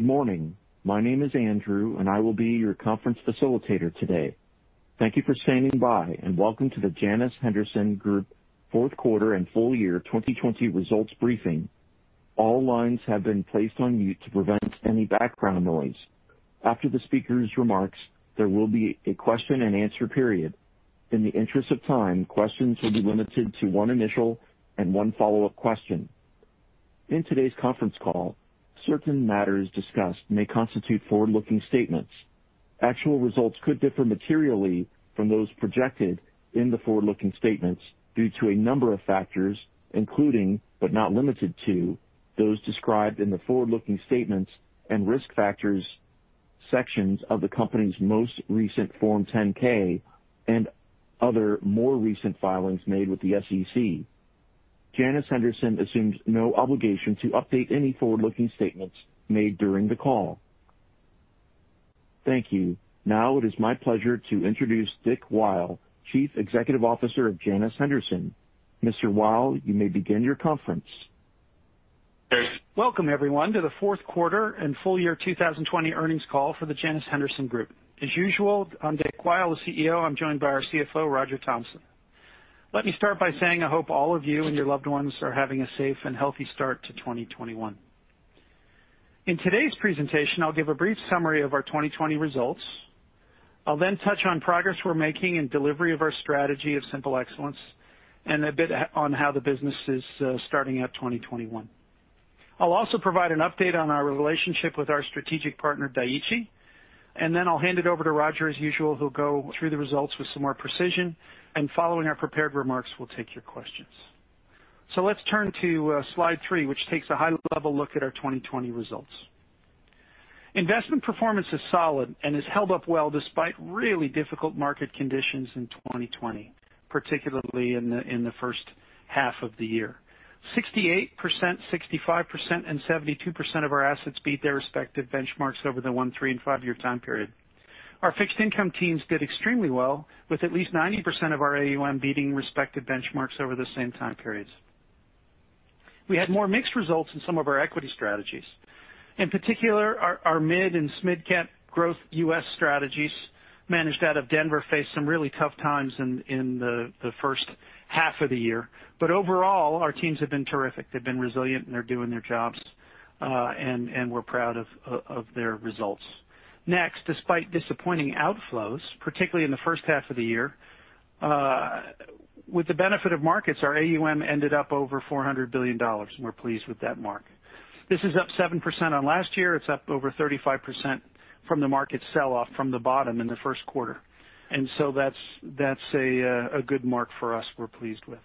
Good morning. My name is Andrew, and I will be your conference facilitator today. Thank you for standing by, and welcome to the Janus Henderson Group fourth quarter and full-year 2020 results briefing. All lines have been placed on mute to prevent any background noise. After the speaker's remarks, there will be a question-and-answer period. In the interest of time, questions will be limited to one initial and one follow-up question. In today's conference call, certain matters discussed may constitute forward-looking statements. Actual results could differ materially from those projected in the forward-looking statements due to a number of factors, including, but not limited to, those described in the forward-looking statements and risk factors sections of the company's most recent Form 10-K and other more recent filings made with the SEC. Janus Henderson assumes no obligation to update any forward-looking statements made during the call. Thank you. Now, it is my pleasure to introduce Dick Weil, Chief Executive Officer of Janus Henderson. Mr. Weil, you may begin your conference. Welcome, everyone, to the fourth quarter and full-year 2020 earnings call for the Janus Henderson Group. As usual, I'm Dick Weil, the CEO. I'm joined by our CFO, Roger Thompson. Let me start by saying I hope all of you and your loved ones are having a safe and healthy start to 2021. In today's presentation, I'll give a brief summary of our 2020 results. I'll touch on progress we're making in delivery of our strategy of Simple Excellence and a bit on how the business is starting out 2021. I'll also provide an update on our relationship with our strategic partner, Dai-ichi, and I'll hand it over to Roger. As usual, he'll go through the results with some more precision. Following our prepared remarks, we'll take your questions. Let's turn to slide three, which takes a high-level look at our 2020 results. Investment performance is solid and has held up well despite really difficult market conditions in 2020, particularly in the first half of the year. 68%, 65%, and 72% of our assets beat their respective benchmarks over the one, three, and five-year time period. Our fixed income teams did extremely well, with at least 90% of our AUM beating respective benchmarks over the same time periods. We had more mixed results in some of our equity strategies. In particular, our mid and SMID cap growth U.S. strategies managed out of Denver faced some really tough times in the first half of the year. Overall, our teams have been terrific. They've been resilient, and they're doing their jobs. We're proud of their results. Next, despite disappointing outflows, particularly in the first half of the year, with the benefit of markets, our AUM ended up over $400 billion. We're pleased with that mark. This is up 7% on last year. It's up over 35% from the market sell-off from the bottom in the first quarter. That's a good mark for us we're pleased with.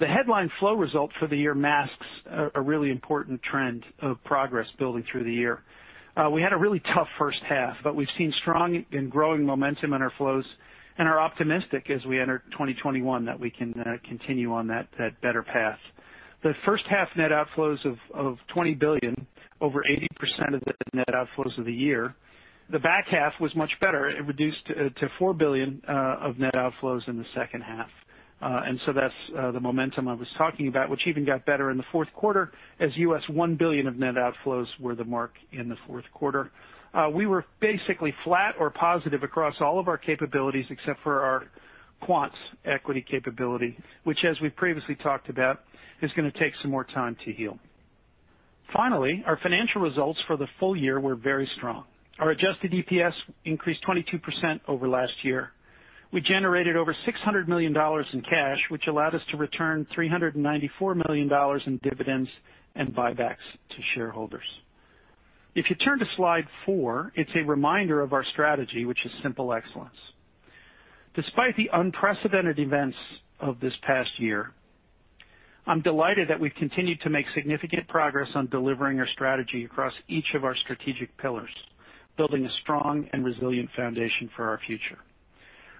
The headline flow result for the year masks a really important trend of progress building through the year. We had a really tough first half, but we've seen strong and growing momentum in our flows and are optimistic as we enter 2021 that we can continue on that better path. The first half net outflows of $20 billion, over 80% of the net outflows of the year. The back half was much better. It reduced to $4 billion of net outflows in the second half. That's the momentum I was talking about, which even got better in the fourth quarter as $1 billion of net outflows were the mark in the fourth quarter. We were basically flat or positive across all of our capabilities except for our quants equity capability, which, as we previously talked about, is going to take some more time to heal. Finally, our financial results for the full-year were very strong. Our adjusted EPS increased 22% over last year. We generated over $600 million in cash, which allowed us to return $394 million in dividends and buybacks to shareholders. If you turn to slide four, it's a reminder of our strategy, which is Simple Excellence. Despite the unprecedented events of this past year, I'm delighted that we've continued to make significant progress on delivering our strategy across each of our strategic pillars, building a strong and resilient foundation for our future.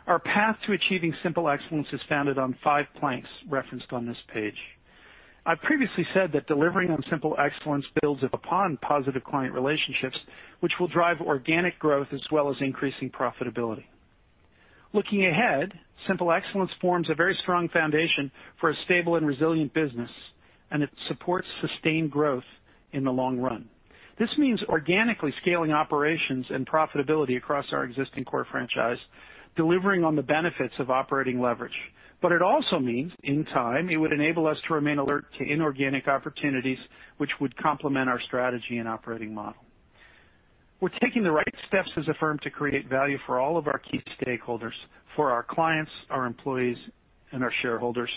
Our path to achieving Simple Excellence is founded on five planks referenced on this page. I previously said that delivering on Simple Excellence builds upon positive client relationships, which will drive organic growth as well as increasing profitability. Looking ahead, Simple Excellence forms a very strong foundation for a stable and resilient business, and it supports sustained growth in the long run. This means organically scaling operations and profitability across our existing core franchise, delivering on the benefits of operating leverage. It also means, in time, it would enable us to remain alert to inorganic opportunities which would complement our strategy and operating model. We're taking the right steps as a firm to create value for all of our key stakeholders, for our clients, our employees, and our shareholders,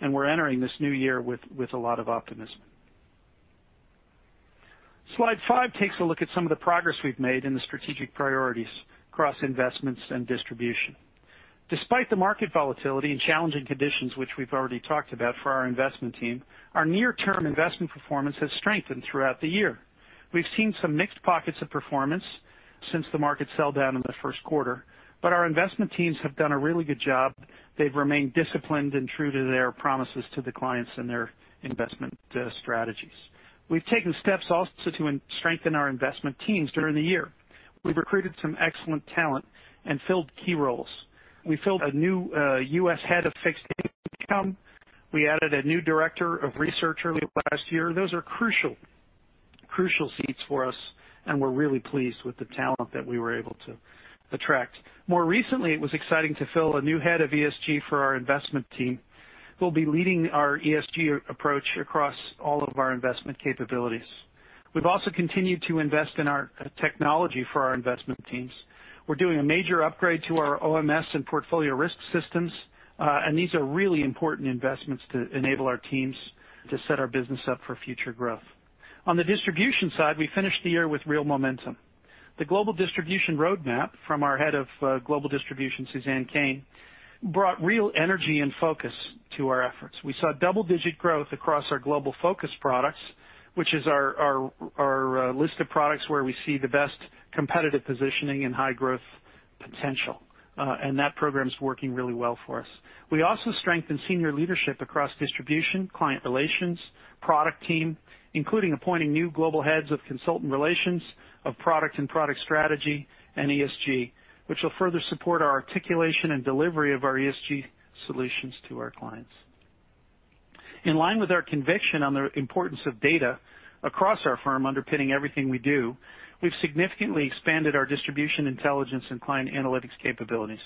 and we're entering this new year with a lot of optimism. Slide five takes a look at some of the progress we've made in the strategic priorities across investments and distribution. Despite the market volatility and challenging conditions which we've already talked about for our investment team, our near-term investment performance has strengthened throughout the year. We've seen some mixed pockets of performance since the market sell down in the first quarter, but our investment teams have done a really good job. They've remained disciplined and true to their promises to the clients and their investment strategies. We've taken steps also to strengthen our investment teams during the year. We recruited some excellent talent and filled key roles. We filled a new U.S. Head of Fixed Income. We added a new Director of Research early last year. Those are crucial seats for us, we're really pleased with the talent that we were able to attract. More recently, it was exciting to fill a new Head of ESG for our investment team, who'll be leading our ESG approach across all of our investment capabilities. We've also continued to invest in our technology for our investment teams. We're doing a major upgrade to our OMS and portfolio risk systems. These are really important investments to enable our teams to set our business up for future growth. On the distribution side, we finished the year with real momentum. The global distribution roadmap from our Head of Global Distribution, Suzanne Cain, brought real energy and focus to our efforts. We saw double-digit growth across our global focus products, which is our list of products where we see the best competitive positioning and high growth potential. That program's working really well for us. We also strengthened senior leadership across distribution, client relations, product team, including appointing new global heads of consultant relations, of product and product strategy, and ESG, which will further support our articulation and delivery of our ESG solutions to our clients. In line with our conviction on the importance of data across our firm underpinning everything we do, we've significantly expanded our distribution intelligence and client analytics capabilities.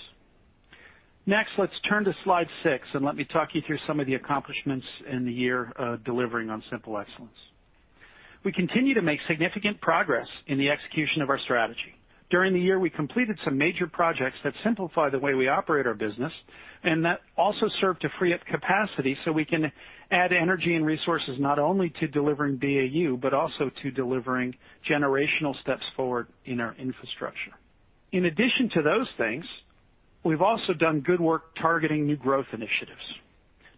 Next, let's turn to slide six, let me talk you through some of the accomplishments in the year delivering on Simple Excellence. We continue to make significant progress in the execution of our strategy. During the year, we completed some major projects that simplify the way we operate our business and that also serve to free up capacity so we can add energy and resources not only to delivering BAU, but also to delivering generational steps forward in our infrastructure. In addition to those things, we've also done good work targeting new growth initiatives.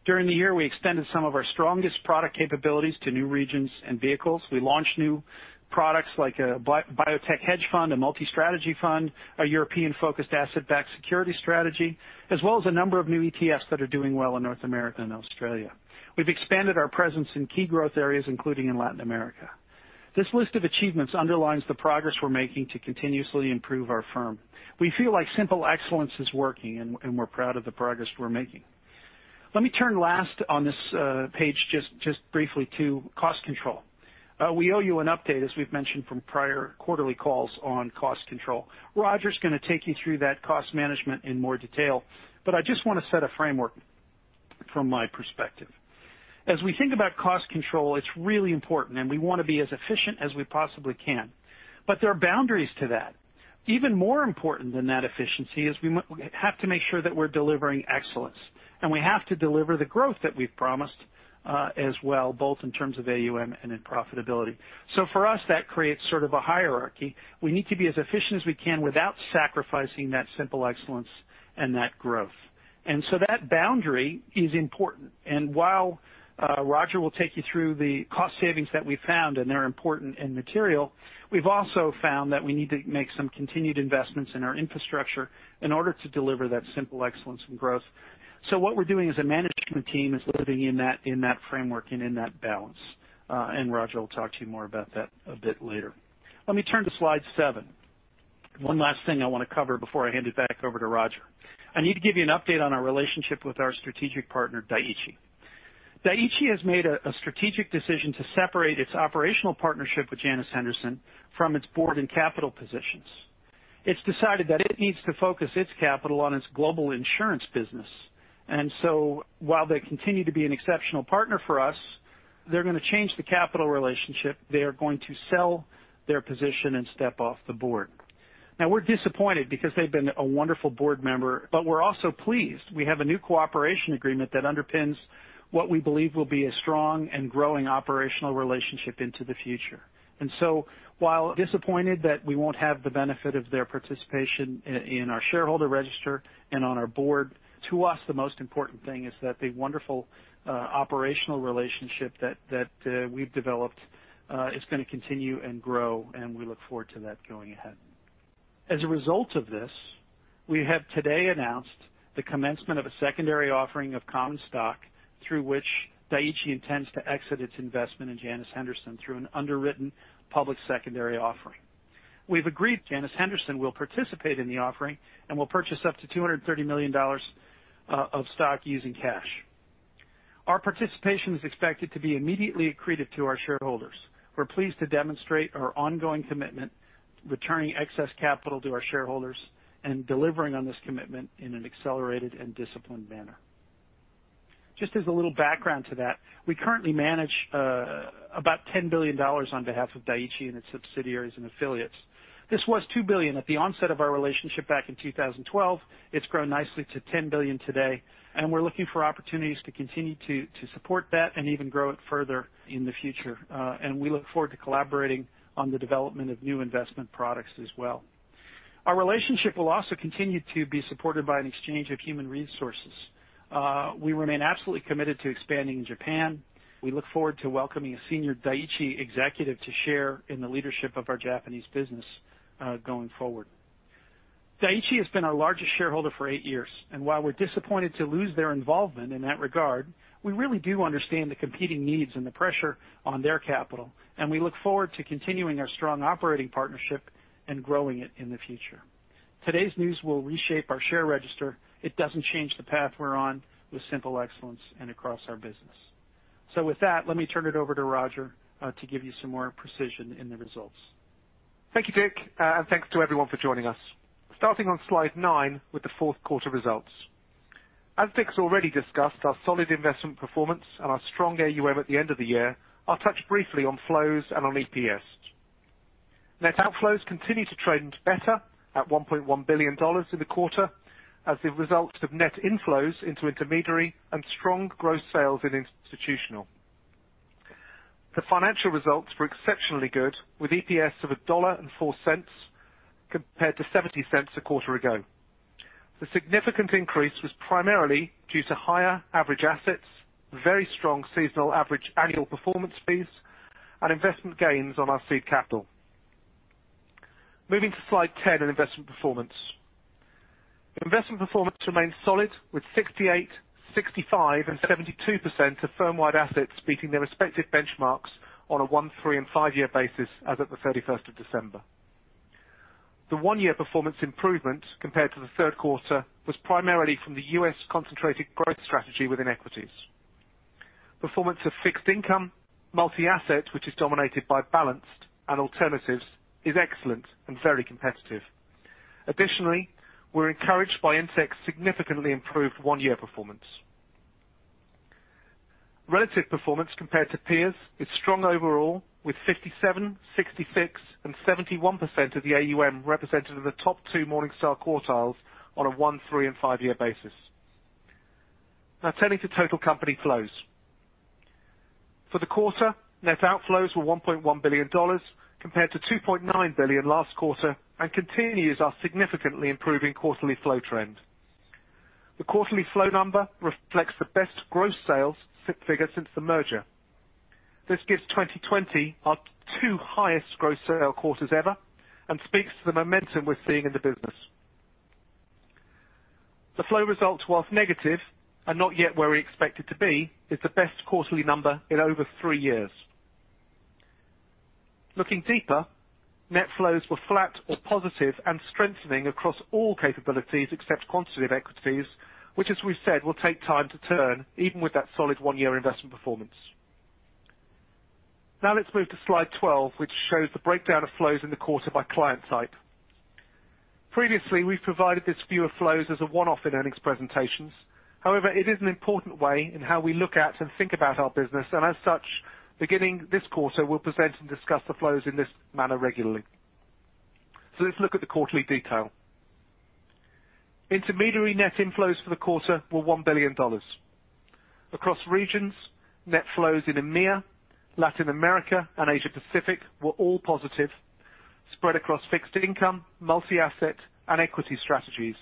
During the year, we extended some of our strongest product capabilities to new regions and vehicles. We launched new products like a biotech hedge fund, a multi-strategy fund, a European-focused asset-backed security strategy, as well as a number of new ETFs that are doing well in North America and Australia. We've expanded our presence in key growth areas, including in Latin America. This list of achievements underlines the progress we're making to continuously improve our firm. We feel like Simple Excellence is working, and we're proud of the progress we're making. Let me turn last on this page just briefly to cost control. We owe you an update, as we've mentioned from prior quarterly calls on cost control. Roger's going to take you through that cost management in more detail, but I just want to set a framework from my perspective. As we think about cost control, it's really important, and we want to be as efficient as we possibly can. There are boundaries to that. Even more important than that efficiency is we have to make sure that we're delivering excellence, and we have to deliver the growth that we've promised, as well, both in terms of AUM and in profitability. For us, that creates sort of a hierarchy. We need to be as efficient as we can without sacrificing that Simple Excellence and that growth. That boundary is important. While Roger will take you through the cost savings that we found, and they're important and material, we've also found that we need to make some continued investments in our infrastructure in order to deliver that Simple Excellence and growth. What we're doing as a management team is living in that framework and in that balance. Roger will talk to you more about that a bit later. Let me turn to slide seven. One last thing I want to cover before I hand it back over to Roger. I need to give you an update on our relationship with our strategic partner, Dai-ichi. Dai-ichi has made a strategic decision to separate its operational partnership with Janus Henderson from its board and capital positions. It's decided that it needs to focus its capital on its global insurance business. While they continue to be an exceptional partner for us, they're going to change the capital relationship. They are going to sell their position and step off the board. We're disappointed because they've been a wonderful board member, but we're also pleased. We have a new cooperation agreement that underpins what we believe will be a strong and growing operational relationship into the future. While disappointed that we won't have the benefit of their participation in our shareholder register and on our board, to us, the most important thing is that the wonderful operational relationship that we've developed is going to continue and grow, and we look forward to that going ahead. As a result of this, we have today announced the commencement of a secondary offering of common stock through which Dai-ichi intends to exit its investment in Janus Henderson through an underwritten public secondary offering. We've agreed Janus Henderson will participate in the offering and will purchase up to $230 million of stock using cash. Our participation is expected to be immediately accretive to our shareholders. We're pleased to demonstrate our ongoing commitment to returning excess capital to our shareholders and delivering on this commitment in an accelerated and disciplined manner. Just as a little background to that, we currently manage about $10 billion on behalf of Dai-ichi and its subsidiaries and affiliates. This was $2 billion at the onset of our relationship back in 2012. It's grown nicely to $10 billion today, and we're looking for opportunities to continue to support that and even grow it further in the future. We look forward to collaborating on the development of new investment products as well. Our relationship will also continue to be supported by an exchange of human resources. We remain absolutely committed to expanding in Japan, we look forward to welcoming a senior Dai-ichi executive to share in the leadership of our Japanese business going forward. Dai-ichi has been our largest shareholder for eight years, and while we're disappointed to lose their involvement in that regard, we really do understand the competing needs and the pressure on their capital, and we look forward to continuing our strong operating partnership and growing it in the future. Today's news will reshape our share register. It doesn't change the path we're on with Simple Excellence and across our business. With that, let me turn it over to Roger to give you some more precision in the results. Thank you, Dick, thanks to everyone for joining us. Starting on slide nine with the fourth quarter results. As Dick's already discussed, our solid investment performance and our strong AUM at the end of the year, I'll touch briefly on flows and on EPS. Net outflows continue to trend better at $1.1 billion in the quarter as the result of net inflows into intermediary and strong gross sales in institutional. The financial results were exceptionally good, with EPS of $1.04 compared to $0.70 a quarter ago. The significant increase was primarily due to higher average assets, very strong seasonal average annual performance fees, and investment gains on our seed capital. Moving to slide 10 in investment performance. Investment performance remains solid, with 68%, 65%, and 72% of firm-wide assets beating their respective benchmarks on a one, three, and five-year basis as of December 31st. The one-year performance improvement compared to the third quarter was primarily from the U.S. concentrated growth strategy within equities. Performance of fixed income, multi-asset, which is dominated by balanced and alternatives, is excellent and very competitive. Additionally, we are encouraged by Intech's significantly improved one-year performance. Relative performance compared to peers is strong overall, with 57%, 66%, and 71% of the AUM represented in the top two Morningstar quartiles on a one, three, and five-year basis. Now turning to total company flows. For the quarter, net outflows were $1.1 billion, compared to $2.9 billion last quarter, and continues our significantly improving quarterly flow trend. The quarterly flow number reflects the best gross sales figure since the merger. This gives 2020 our two highest gross sales quarters ever and speaks to the momentum we are seeing in the business. The flow result, whilst negative and not yet where we expect it to be, is the best quarterly number in over three years. Looking deeper, net flows were flat or positive and strengthening across all capabilities except quantitative equities, which as we've said, will take time to turn, even with that solid one-year investment performance. Let's move to slide 12, which shows the breakdown of flows in the quarter by client type. Previously, we've provided this view of flows as a one-off in earnings presentations. However, it is an important way in how we look at and think about our business, and as such, beginning this quarter, we'll present and discuss the flows in this manner regularly. Let's look at the quarterly detail. Intermediary net inflows for the quarter were $1 billion. Across regions, net flows in EMEA, Latin America, and Asia-Pacific were all positive, spread across fixed income, multi-asset, and equity strategies.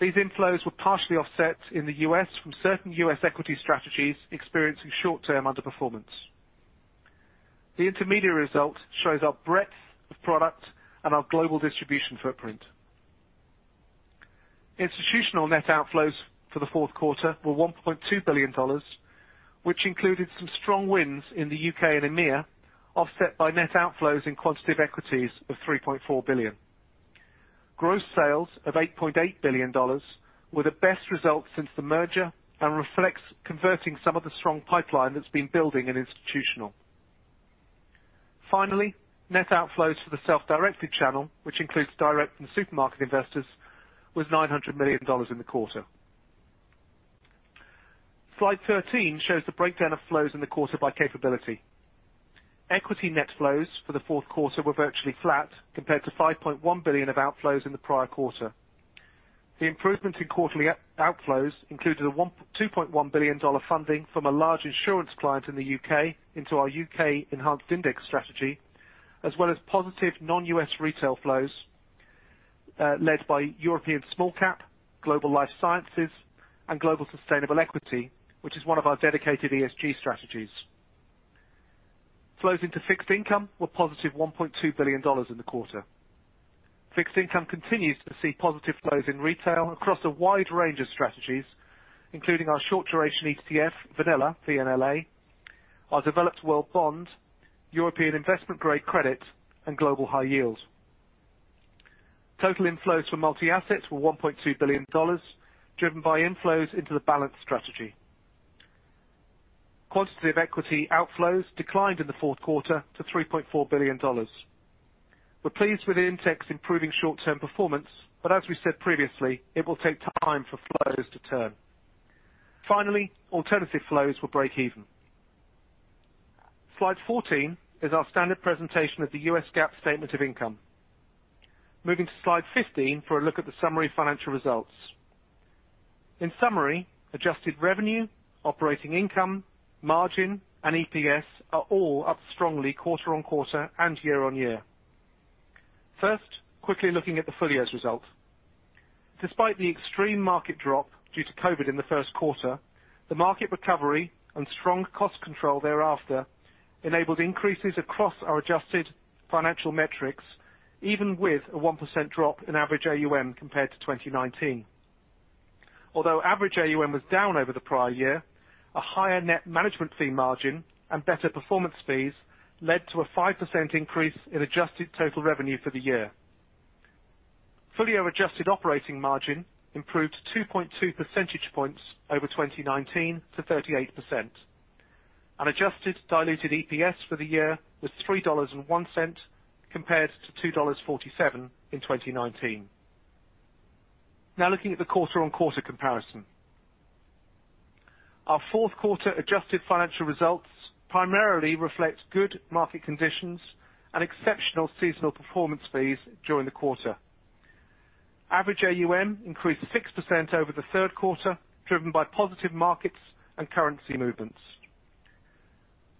These inflows were partially offset in the U.S. from certain U.S. equity strategies experiencing short-term underperformance. The intermediary result shows our breadth of product and our global distribution footprint. Institutional net outflows for the fourth quarter were $1.2 billion, which included some strong wins in the U.K. and EMEA, offset by net outflows in quantitative equities of $3.4 billion. Gross sales of $8.8 billion were the best results since the merger and reflects converting some of the strong pipeline that's been building in institutional. Finally, net outflows for the self-directed channel, which includes direct and supermarket investors, was $900 million in the quarter. Slide 13 shows the breakdown of flows in the quarter by capability. Equity net flows for the fourth quarter were virtually flat compared to $5.1 billion of outflows in the prior quarter. The improvement in quarterly outflows included a $2.1 billion funding from a large insurance client in the U.K. into our U.K. enhanced index strategy, as well as positive non-U.S. retail flows, led by European small cap, global life sciences, and global sustainable equity, which is one of our dedicated ESG strategies. Flows into fixed income were positive $1.2 billion in the quarter. Fixed income continues to see positive flows in retail across a wide range of strategies, including our short duration ETF, VNLA, our developed world bond, European investment grade credit, and global high yield. Total inflows for multi-assets were $1.2 billion, driven by inflows into the balanced strategy. Quantitative equity outflows declined in the fourth quarter to $3.4 billion. We're pleased with Intech's improving short-term performance. As we said previously, it will take time for flows to turn. Finally, alternative flows will break even. Slide 14 is our standard presentation of the U.S. GAAP statement of income. Moving to slide 15 for a look at the summary financial results. In summary, adjusted revenue, operating income, margin, and EPS are all up strongly quarter-over-quarter and year-over-year. First, quickly looking at the full-year's results. Despite the extreme market drop due to COVID in the first quarter, the market recovery and strong cost control thereafter enabled increases across our adjusted financial metrics, even with a 1% drop in average AUM compared to 2019. Although average AUM was down over the prior year, a higher net management fee margin and better performance fees led to a 5% increase in adjusted total revenue for the year. Full-year adjusted operating margin improved 2.2 percentage points over 2019 to 38%. Adjusted diluted EPS for the year was $3.01 compared to $2.47 in 2019. Now looking at the quarter-on-quarter comparison. Our fourth quarter adjusted financial results primarily reflect good market conditions and exceptional seasonal performance fees during the quarter. Average AUM increased 6% over the third quarter, driven by positive markets and currency movements.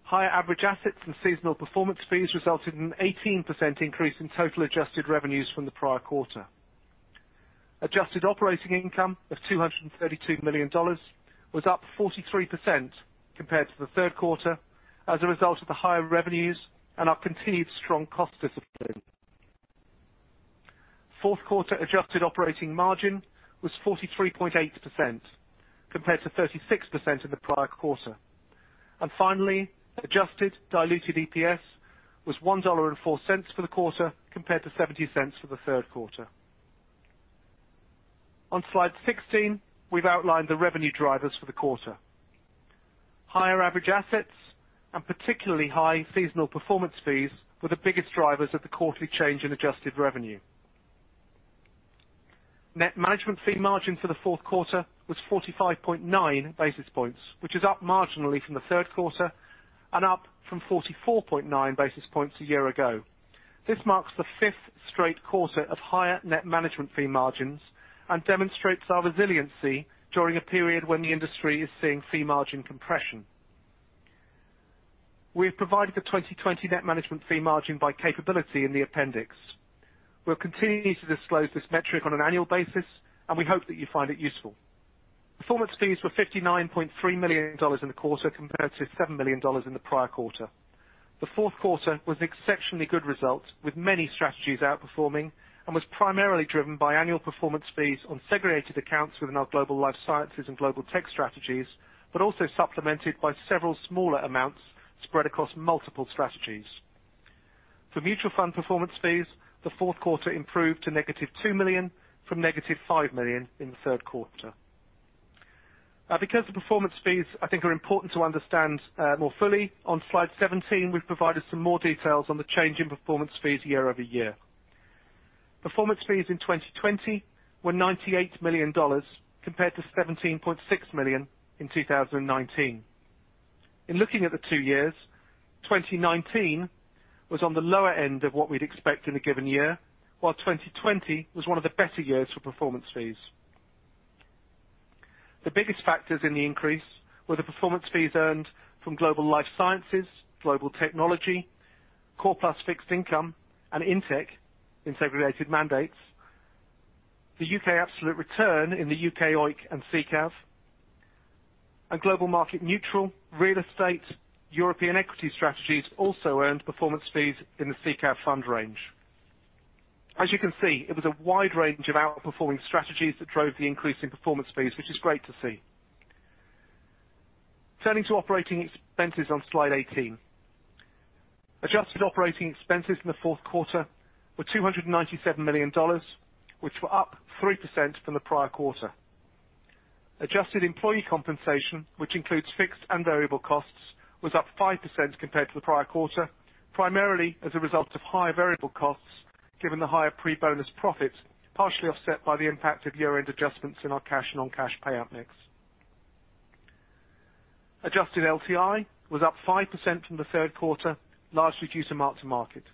Higher average assets and seasonal performance fees resulted in an 18% increase in total adjusted revenues from the prior quarter. Adjusted operating income of $232 million was up 43% compared to the third quarter as a result of the higher revenues and our continued strong cost discipline. Fourth quarter adjusted operating margin was 43.8% compared to 36% in the prior quarter. Finally, adjusted diluted EPS was $1.04 for the quarter, compared to $0.70 for the third quarter. On slide 16, we've outlined the revenue drivers for the quarter. Higher average assets and particularly high seasonal performance fees were the biggest drivers of the quarterly change in adjusted revenue. Net management fee margin for the fourth quarter was 45.9 basis points, which is up marginally from the third quarter and up from 44.9 basis points a year ago. This marks the fifth straight quarter of higher net management fee margins and demonstrates our resiliency during a period when the industry is seeing fee margin compression. We have provided the 2020 net management fee margin by capability in the appendix. We'll continue to disclose this metric on an annual basis, and we hope that you find it useful. Performance fees were $59.3 million in the quarter, compared to $7 million in the prior quarter. The fourth quarter was an exceptionally good result, with many strategies outperforming, was primarily driven by annual performance fees on segregated accounts within our global life sciences and global tech strategies, but also supplemented by several smaller amounts spread across multiple strategies. For mutual fund performance fees, the fourth quarter improved to -$2 million from -$5 million in the third quarter. Because the performance fees, I think are important to understand more fully, on slide 17, we've provided some more details on the change in performance fees year-over-year. Performance fees in 2020 were $98 million, compared to $17.6 million in 2019. Looking at the two years, 2019 was on the lower end of what we'd expect in a given year, while 2020 was one of the better years for performance fees. The biggest factors in the increase were the performance fees earned from global life sciences, global technology, core plus fixed income, and Intech in segregated mandates. The U.K. absolute return in the U.K. OEIC and SICAV and global market neutral real estate European equity strategies also earned performance fees in the SICAV fund range. As you can see, it was a wide range of outperforming strategies that drove the increase in performance fees, which is great to see. Turning to operating expenses on slide 18. Adjusted operating expenses in the fourth quarter were $297 million, which were up 3% from the prior quarter. Adjusted employee compensation, which includes fixed and variable costs, was up 5% compared to the prior quarter, primarily as a result of higher variable costs given the higher pre-bonus profits, partially offset by the impact of year-end adjustments in our cash and non-cash payout mix. Adjusted LTI was up 5% from the third quarter, largely due to mark-to-market.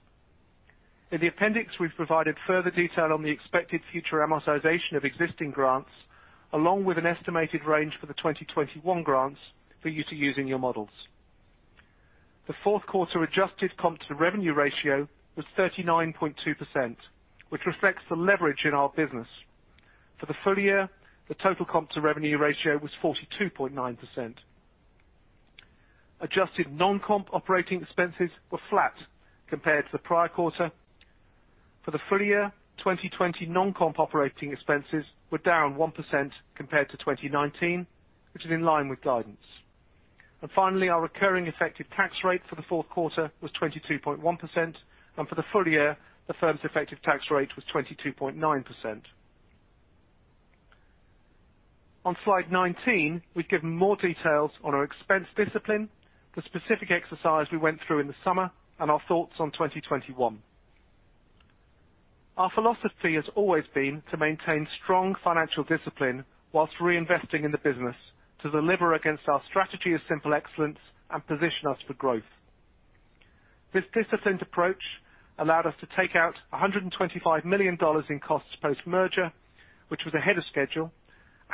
In the appendix, we've provided further detail on the expected future amortization of existing grants, along with an estimated range for the 2021 grants for you to use in your models. The fourth quarter adjusted comp-to-revenue ratio was 39.2%, which reflects the leverage in our business. For the full-year, the total comp-to-revenue ratio was 42.9%. Adjusted non-comp operating expenses were flat compared to the prior quarter. For the full-year, 2020 non-comp operating expenses were down 1% compared to 2019, which is in line with guidance. Finally, our recurring effective tax rate for the fourth quarter was 22.1%, and for the full-year, the firm's effective tax rate was 22.9%. On slide 19, we've given more details on our expense discipline, the specific exercise we went through in the summer, and our thoughts on 2021. Our philosophy has always been to maintain strong financial discipline whilst reinvesting in the business to deliver against our strategy of Simple Excellence and position us for growth. This disciplined approach allowed us to take out $125 million in costs post-merger, which was ahead of schedule,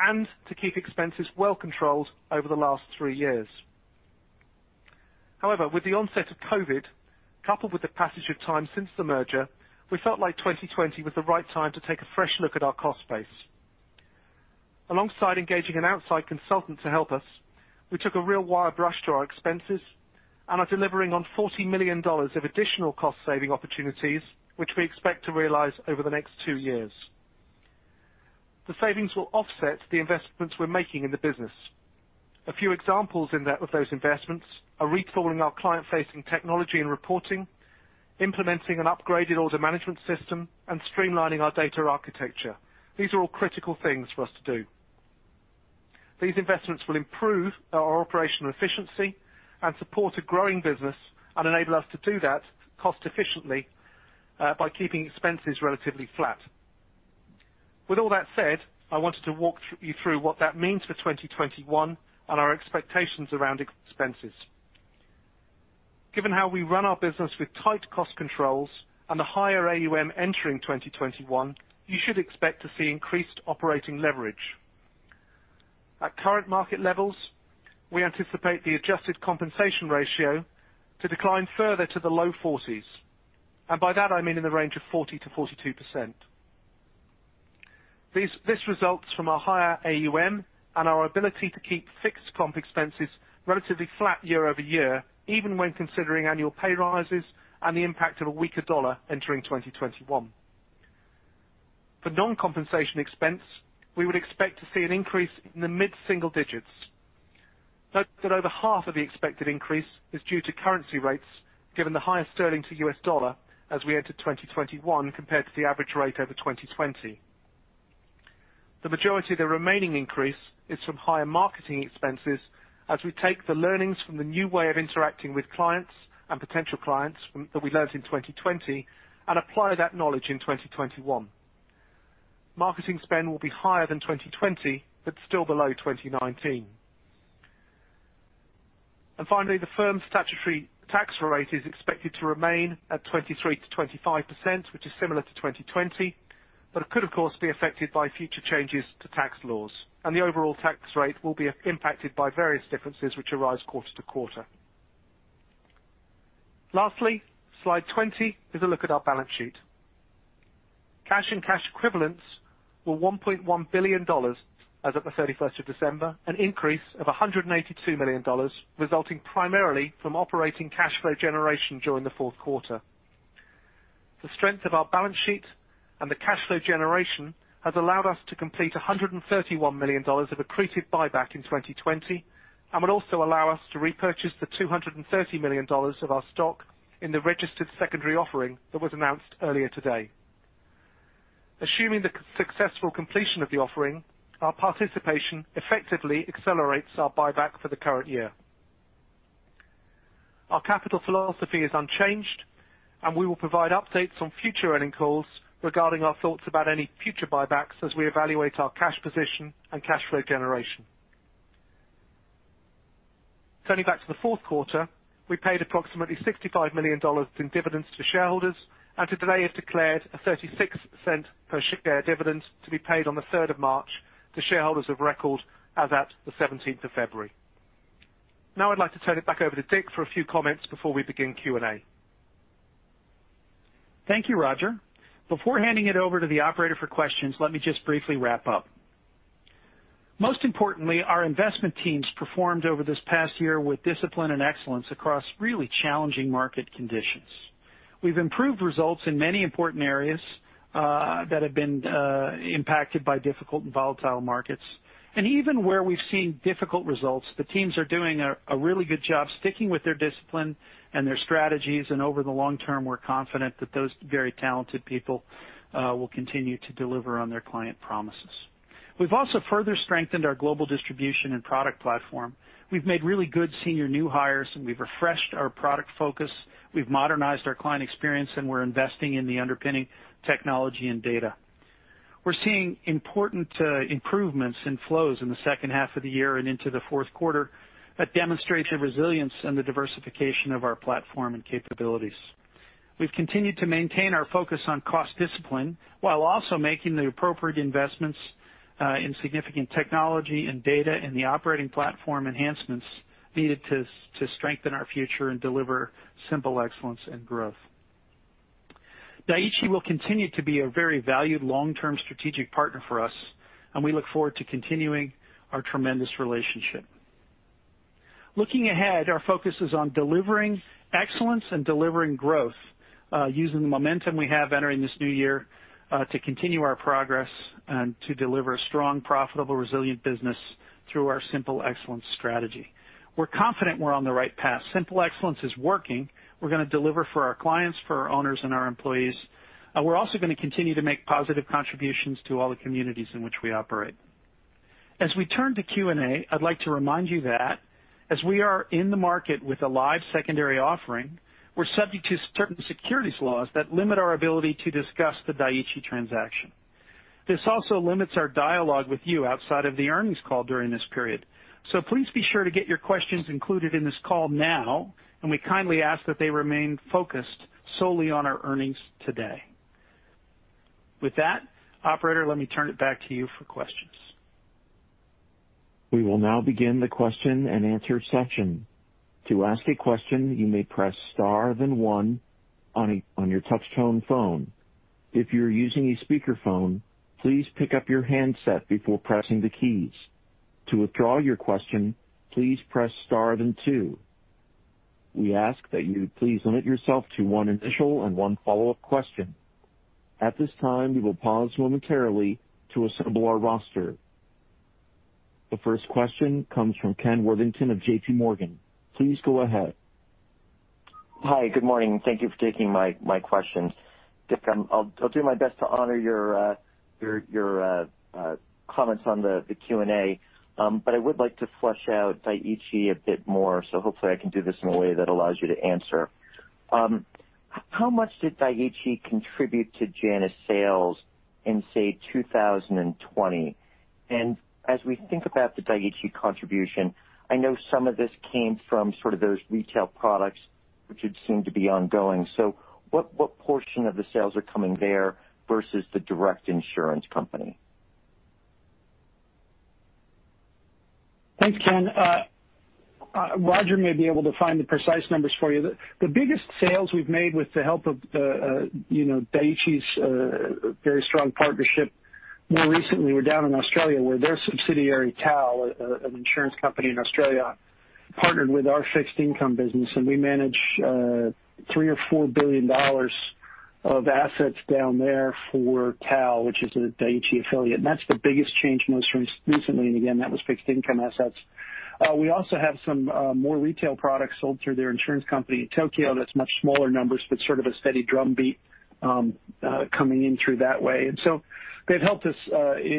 and to keep expenses well controlled over the last three years. However, with the onset of COVID, coupled with the passage of time since the merger, we felt like 2020 was the right time to take a fresh look at our cost base. Alongside engaging an outside consultant, we took a real wire brush to our expenses and are delivering on $40 million of additional cost-saving opportunities, which we expect to realize over the next two years. The savings will offset the investments we're making in the business. A few examples of those investments are retooling our client-facing technology and reporting, implementing an upgraded Order Management System, and streamlining our data architecture. These are all critical things for us to do. These investments will improve our operational efficiency and support a growing business and enable us to do that cost efficiently by keeping expenses relatively flat. With all that said, I wanted to walk you through what that means for 2021 and our expectations around expenses. Given how we run our business with tight cost controls and a higher AUM entering 2021, you should expect to see increased operating leverage. At current market levels, we anticipate the adjusted compensation ratio to decline further to the low 40%, and by that, I mean in the range of 40%-42%. This results from our higher AUM and our ability to keep fixed comp expenses relatively flat year-over-year, even when considering annual pay rises and the impact of a weaker dollar entering 2021. For non-compensation expense, we would expect to see an increase in the mid-single digits. Note that over half of the expected increase is due to currency rates, given the higher sterling to U.S. dollar as we enter 2021 compared to the average rate over 2020. The majority of the remaining increase is from higher marketing expenses as we take the learnings from the new way of interacting with clients and potential clients that we learned in 2020 and apply that knowledge in 2021. Marketing spend will be higher than 2020 but still below 2019. Finally, the firm's statutory tax rate is expected to remain at 23%-25%, which is similar to 2020, but it could, of course, be affected by future changes to tax laws, and the overall tax rate will be impacted by various differences which arise quarter to quarter. Lastly, Slide 20 is a look at our balance sheet. Cash and cash equivalents were $1.1 billion as at December 31st, an increase of $182 million, resulting primarily from operating cash flow generation during the fourth quarter. The strength of our balance sheet and the cash flow generation has allowed us to complete $131 million of accreted buyback in 2020 and will also allow us to repurchase the $230 million of our stock in the registered secondary offering that was announced earlier today. Assuming the successful completion of the offering, our participation effectively accelerates our buyback for the current year. Our capital philosophy is unchanged, and we will provide updates on future earnings calls regarding our thoughts about any future buybacks as we evaluate our cash position and cash flow generation. Turning back to the fourth quarter, we paid approximately $65 million in dividends to shareholders and today have declared a $0.36 per share dividend to be paid on March 3rd to shareholders of record as at February 17th. Now I'd like to turn it back over to Dick for a few comments before we begin Q&A. Thank you, Roger. Before handing it over to the operator for questions, let me just briefly wrap up. Most importantly, our investment teams performed over this past year with discipline and excellence across really challenging market conditions. We've improved results in many important areas that have been impacted by difficult and volatile markets. Even where we've seen difficult results, the teams are doing a really good job sticking with their discipline and their strategies. Over the long term, we're confident that those very talented people will continue to deliver on their client promises. We've also further strengthened our global distribution and product platform. We've made really good senior new hires, and we've refreshed our product focus. We've modernized our client experience, and we're investing in the underpinning technology and data. We're seeing important improvements in flows in the second half of the year and into the fourth quarter that demonstrate the resilience and the diversification of our platform and capabilities. We've continued to maintain our focus on cost discipline while also making the appropriate investments in significant technology and data and the operating platform enhancements needed to strengthen our future and deliver Simple Excellence and growth. Dai-ichi will continue to be a very valued long-term strategic partner for us, and we look forward to continuing our tremendous relationship. Looking ahead, our focus is on delivering excellence and delivering growth using the momentum we have entering this new year to continue our progress and to deliver a strong, profitable, resilient business through our Simple Excellence Strategy. We're confident we're on the right path. Simple Excellence is working. We're going to deliver for our clients, for our owners, and our employees. We're also going to continue to make positive contributions to all the communities in which we operate. As we turn to Q&A, I'd like to remind you that as we are in the market with a live secondary offering, we're subject to certain securities laws that limit our ability to discuss the Dai-ichi transaction. This also limits our dialogue with you outside of the earnings call during this period. Please be sure to get your questions included in this call now, and we kindly ask that they remain focused solely on our earnings today. With that, operator, let me turn it back to you for questions. We will now begin the question-and-answer session. The first question comes from Ken Worthington of JPMorgan. Please go ahead. Hi. Good morning, thank you for taking my questions. Dick, I'll do my best to honor your comments on the Q&A, but I would like to flesh out Dai-ichi a bit more, so hopefully I can do this in a way that allows you to answer. How much did Dai-ichi contribute to Janus sales in, say, 2020? As we think about the Dai-ichi contribution, I know some of this came from those retail products which would seem to be ongoing. What portion of the sales are coming there versus the direct insurance company? Thanks, Ken. Roger may be able to find the precise numbers for you. The biggest sales we've made with the help of Dai-ichi's very strong partnership more recently were down in Australia where their subsidiary, TAL, an insurance company in Australia, partnered with our fixed income business, and we manage three or $4 billion of assets down there for TAL, which is a Dai-ichi affiliate. That's the biggest change most recently, and again, that was fixed income assets. We also have some more retail products sold through their insurance company in Tokyo. That's much smaller numbers, but sort of a steady drumbeat coming in through that way. They've helped us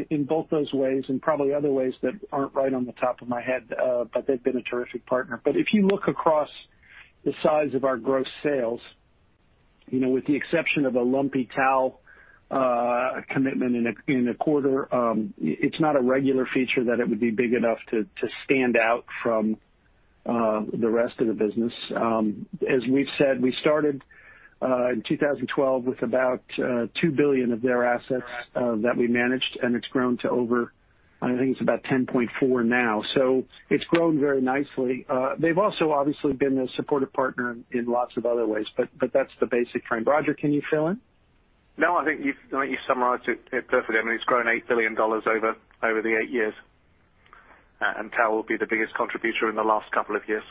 in both those ways and probably other ways that aren't right on the top of my head. They've been a terrific partner. If you look across the size of our gross sales, with the exception of a lumpy TAL commitment in a quarter, it's not a regular feature that it would be big enough to stand out from the rest of the business. As we've said, we started in 2012 with about $2 billion of their assets that we managed, and it's grown to over, I think it's about $10.4 now. It's grown very nicely. They've also obviously been a supportive partner in lots of other ways. That's the basic trend. Roger, can you fill in? No, I think you summarized it perfectly. I mean, it's grown $8 billion over the eight years. TAL will be the biggest contributor in the last couple of years.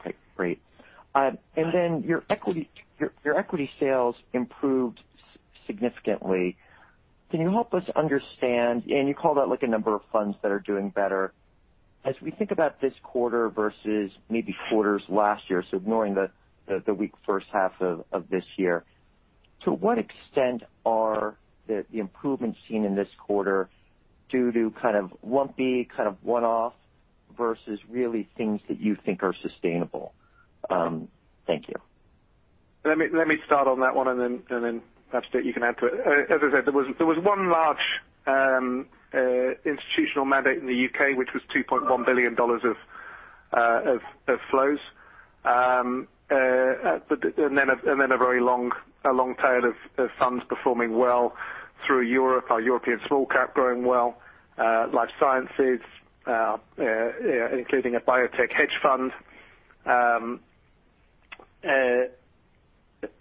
Okay, great. Your equity sales improved significantly. Can you help us understand, you call that a number of funds that are doing better. As we think about this quarter versus maybe quarters last year, ignoring the weak first half of this year, to what extent are the improvements seen in this quarter due to lumpy, one-off versus really things that you think are sustainable? Thank you. Let me start on that one, and then perhaps Dick you can add to it. As I said, there was one large institutional mandate in the U.K., which was $2.1 billion of flows. Then a very long tail of funds performing well through Europe, our European small cap growing well, life sciences including a biotech hedge fund.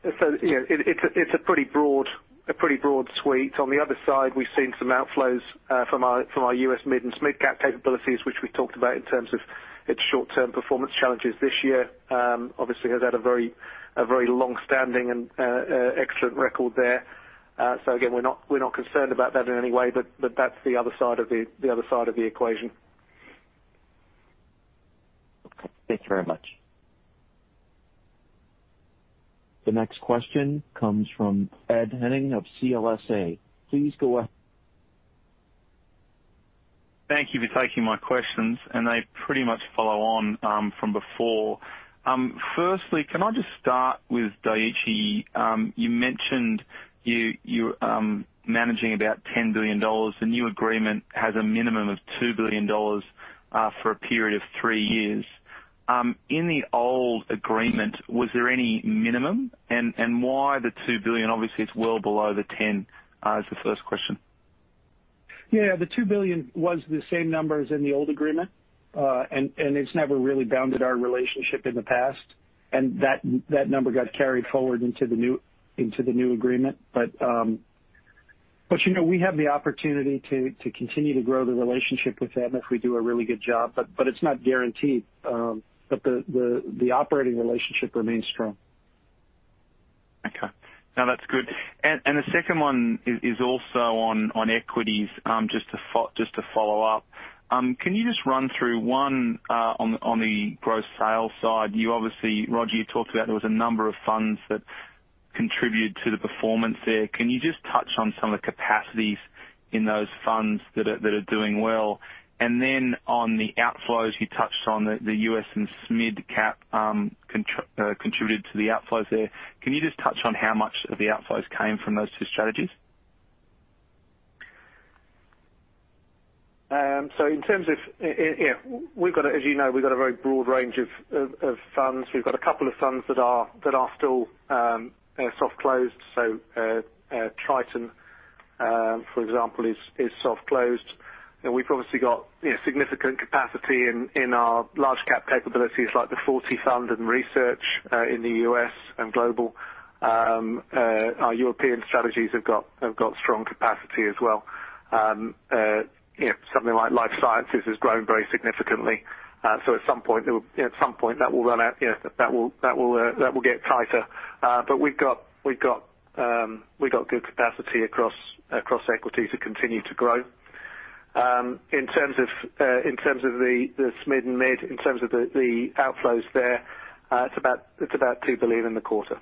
It's a pretty broad suite. On the other side, we've seen some outflows from our U.S. mid and SMID cap capabilities, which we talked about in terms of its short-term performance challenges this year. Obviously, has had a very long-standing and excellent record there. Again, we're not concerned about that in any way, but that's the other side of the equation. Okay, thank you very much. The next question comes from Ed Henning of CLSA. Please go ahead. Thank you for taking my questions. They pretty much follow on from before. Firstly, can I just start with Dai-ichi. You mentioned you're managing about $10 billion. The new agreement has a minimum of $2 billion for a period of three years. In the old agreement, was there any minimum, and why the $2 billion? Obviously, it's well below the $10 billion. That's the first question. The $2 billion was the same number as in the old agreement. It's never really bounded our relationship in the past, and that number got carried forward into the new agreement. We have the opportunity to continue to grow the relationship with them if we do a really good job, but it's not guaranteed. The operating relationship remains strong. Okay. No, that's good. The second one is also on equities, just to follow up. Can you just run through, one, on the gross sales side, you obviously, Roger, you talked about there was a number of funds that contribute to the performance there. Can you just touch on some of the capacities in those funds that are doing well? On the outflows, you touched on the U.S. and SMID cap contributed to the outflows there. Can you just touch on how much of the outflows came from those two strategies? As you know, we've got a very broad range of funds. We've got a couple of funds that are still soft closed. Triton for example is soft closed. We've obviously got significant capacity in our large cap capabilities like the Forty Fund and Research in the U.S. and global. Our European strategies have got strong capacity as well. Something like life sciences has grown very significantly. At some point that will run out. That will get tighter. We've got good capacity across equity to continue to grow. In terms of the SMid and mid, in terms of the outflows there, it's about $2 billion in the quarter.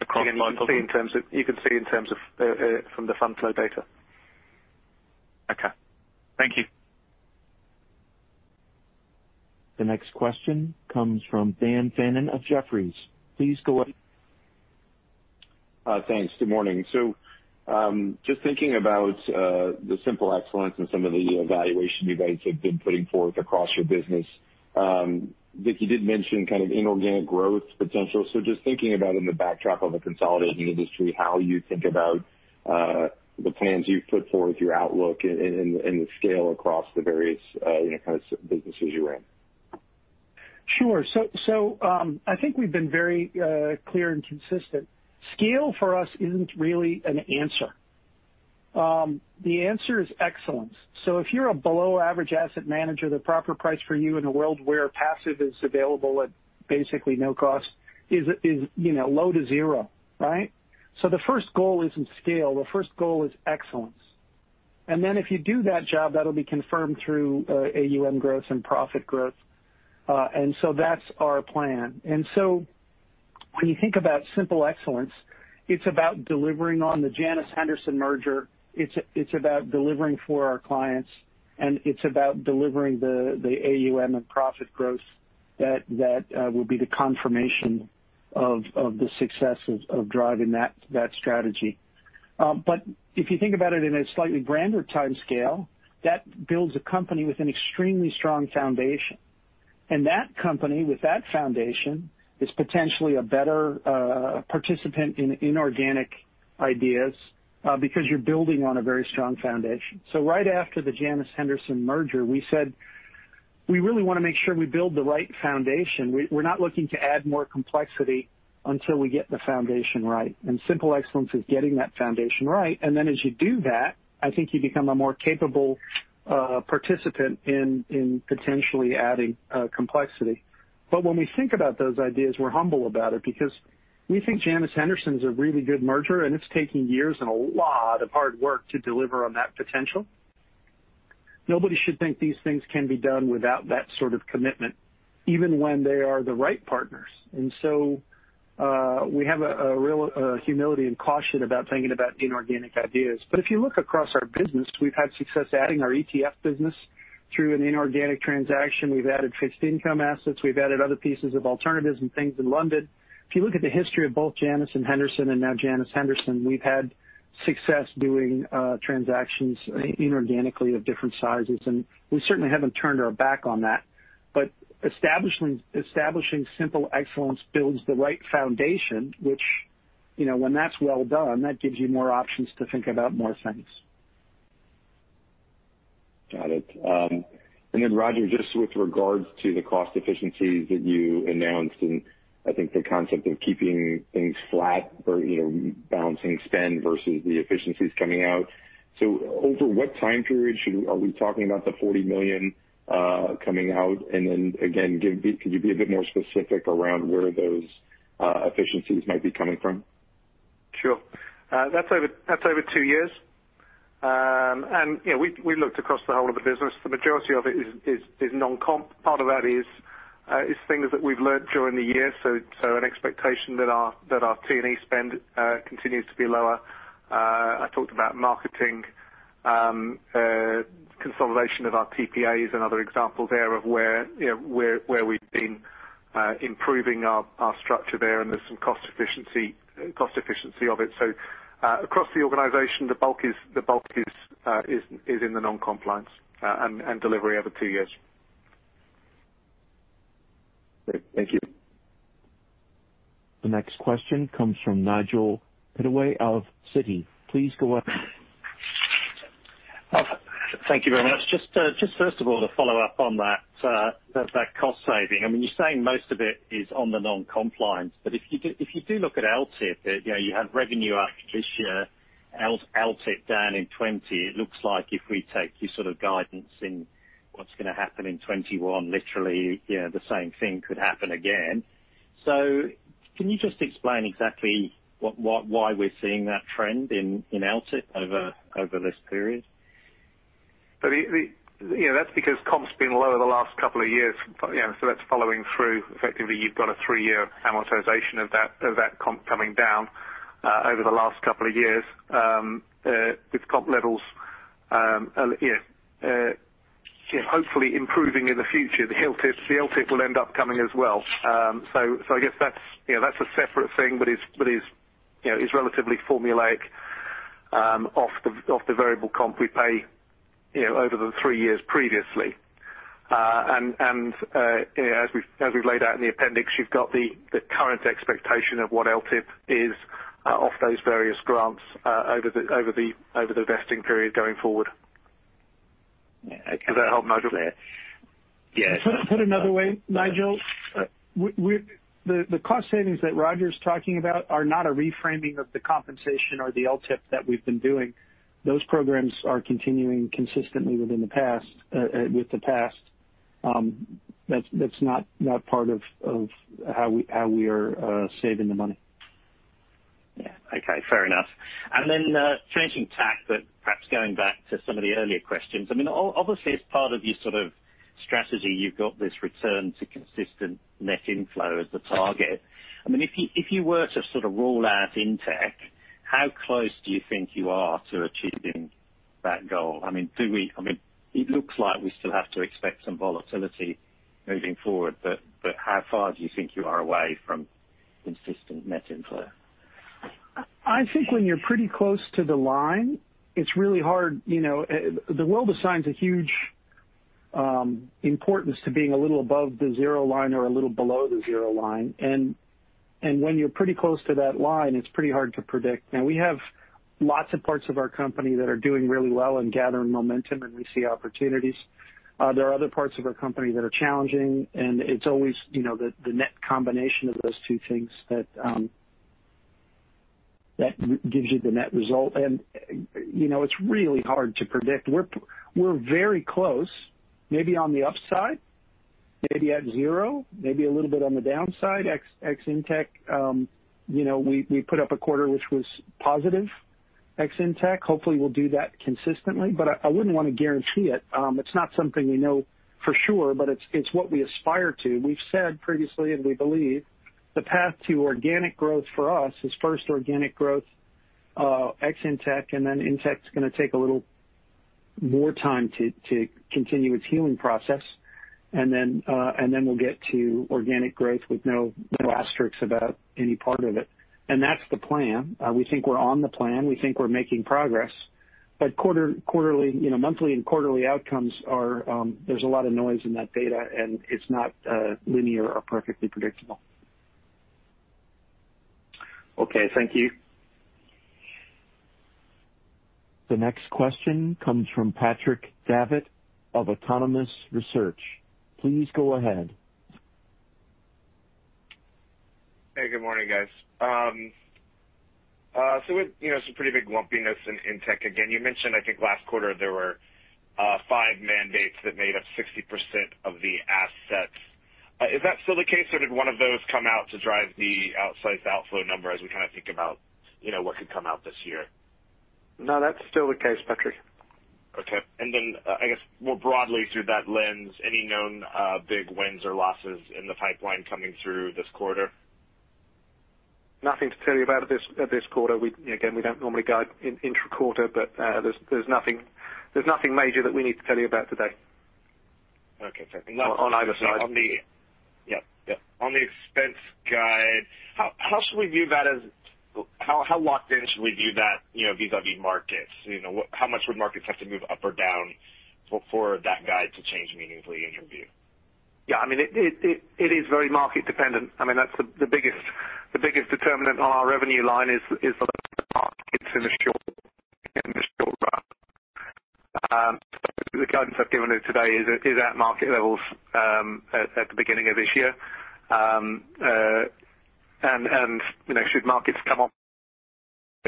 You can see in terms of from the fund flow data. Okay. Thank you. The next question comes from Dan Fannon of Jefferies. Please go ahead. Thanks, good morning. Just thinking about the Simple Excellence and some of the evaluation you guys have been putting forth across your business. Dick, you did mention kind of inorganic growth potential. Just thinking about in the backdrop of a consolidating industry, how you think about the plans you've put forth, your outlook, and the scale across the various kind of businesses you're in? Sure, I think we've been very clear and consistent. Scale for us isn't really an answer. The answer is excellence. If you're a below average asset manager, the proper price for you in a world where passive is available at basically no cost is low to zero, right? The first goal isn't scale, the first goal is excellence. Then if you do that job, that'll be confirmed through AUM growth and profit growth. That's our plan. When you think about Simple Excellence, it's about delivering on the Janus Henderson merger. It's about delivering for our clients, and it's about delivering the AUM and profit growth that will be the confirmation of the success of driving that strategy. If you think about it in a slightly grander timescale, that builds a company with an extremely strong foundation. That company with that foundation is potentially a better participant in inorganic ideas because you're building on a very strong foundation. Right after the Janus Henderson merger, we said, we really want to make sure we build the right foundation. We're not looking to add more complexity until we get the foundation right. Simple excellence is getting that foundation right. As you do that, I think you become a more capable participant in potentially adding complexity. When we think about those ideas, we're humble about it because we think Janus Henderson's a really good merger, and it's taken years and a lot of hard work to deliver on that potential. Nobody should think these things can be done without that sort of commitment, even when they are the right partners. We have a real humility and caution about thinking about inorganic ideas. If you look across our business, we've had success adding our ETF business through an inorganic transaction. We've added fixed income assets, we've added other pieces of alternatives and things in London. If you look at the history of both Janus and Henderson and now Janus Henderson, we've had success doing transactions inorganically of different sizes, and we certainly haven't turned our back on that. Establishing Simple Excellence builds the right foundation, which when that's well done, that gives you more options to think about more things. Got it. Roger, just with regards to the cost efficiencies that you announced, and I think the concept of keeping things flat or balancing spend versus the efficiencies coming out. Over what time period are we talking about the $40 million coming out? Again, could you be a bit more specific around where those efficiencies might be coming from? Sure, that's over two years. We looked across the whole of the business. The majority of it is non-comp. Part of that is things that we've learned during the year. An expectation that our T&E spend continues to be lower. I talked about marketing consolidation of our TPAs, another example there of where we've been improving our structure there, and there's some cost efficiency of it. Across the organization, the bulk is in the non-comp lines and delivery over two years. Great, thank you. The next question comes from Nigel Pittaway of Citi. Please go ahead. Thank you very much. Just first of all, to follow up on that cost saving. You're saying most of it is on the non-comp lines, but if you do look at LTIP, you have revenue up this year, LTIP down in 2020. It looks like if we take your sort of guidance in what's going to happen in 2021, literally, the same thing could happen again. Can you just explain exactly why we're seeing that trend in LTIP over this period? That's because comp's been low over the last couple of years, so that's following through. Effectively, you've got a three-year amortization of that comp coming down over the last couple of years. With comp levels hopefully improving in the future, the LTIP will end up coming as well. I guess that's a separate thing, but it's relatively formulaic off the variable comp we pay over the three years previously. As we've laid out in the appendix, you've got the current expectation of what LTIP is off those various grants over the vesting period going forward. Yeah. Does that help, Nigel? Yes. To put another way, Nigel, the cost savings that Roger's talking about are not a reframing of the compensation or the LTIP that we've been doing. Those programs are continuing consistently with the past. That's not part of how we are saving the money. Yeah. Okay, fair enough. Changing tack, but perhaps going back to some of the earlier questions, obviously as part of your sort of strategy, you've got this return to consistent net inflow as the target. If you were to sort of roll out Intech, how close do you think you are to achieving that goal? It looks like we still have to expect some volatility moving forward, but how far do you think you are away from consistent net inflow? I think when you're pretty close to the line, it's really hard. The world assigns a huge importance to being a little above the zero line or a little below the zero line. When you're pretty close to that line, it's pretty hard to predict. Now we have lots of parts of our company that are doing really well and gathering momentum, and we see opportunities. There are other parts of our company that are challenging, and it's always the net combination of those two things that gives you the net result. It's really hard to predict. We're very close, maybe on the upside, maybe at zero, maybe a little bit on the downside, ex-Intech. We put up a quarter which was positive, ex-Intech. Hopefully we'll do that consistently, but I wouldn't want to guarantee it. It's not something we know for sure, but it's what we aspire to. We've said previously, we believe the path to organic growth for us is first organic growth, ex-Intech, then Intech is going to take a little more time to continue its healing process. Then we'll get to organic growth with no asterisks about any part of it. That's the plan. We think we're on the plan. We think we're making progress. Monthly and quarterly outcomes, there's a lot of noise in that data, and it's not linear or perfectly predictable. Okay, thank you. The next question comes from Patrick Davitt of Autonomous Research. Please go ahead. Hey, good morning, guys. With some pretty big lumpiness in Intech, again, you mentioned, I think, last quarter there were five mandates that made up 60% of the assets. Is that still the case, or did one of those come out to drive the outsized outflow number as we kind of think about what could come out this year? No, that's still the case, Patrick. Okay. I guess more broadly through that lens, any known big wins or losses in the pipeline coming through this quarter? Nothing to tell you about this quarter. Again, we don't normally guide intra-quarter, but there's nothing major that we need to tell you about today. Okay, fair. Yep. On the expense guide, how should we view that how locked in should we view that vis-a-vis markets? How much would markets have to move up or down for that guide to change meaningfully in your view? Yeah, it is very market dependent. The biggest determinant on our revenue line is the markets in the short run. The guidance I've given today is at market levels, at the beginning of this year. Should markets come up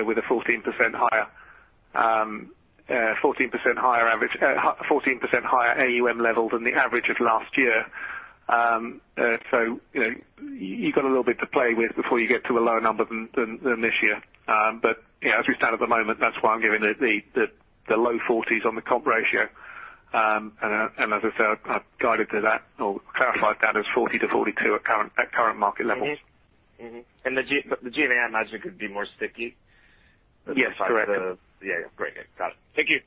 with a 14% higher AUM level than the average of last year. You got a little bit to play with before you get to a lower number than this year. As we stand at the moment, that's why I'm giving the low 40% on the comp ratio. As I said, I've guided to that or clarified that as 40%-42% at current market levels. And the G&A margin could be more sticky? Yes, correct. Yeah, great. Got it, thank you.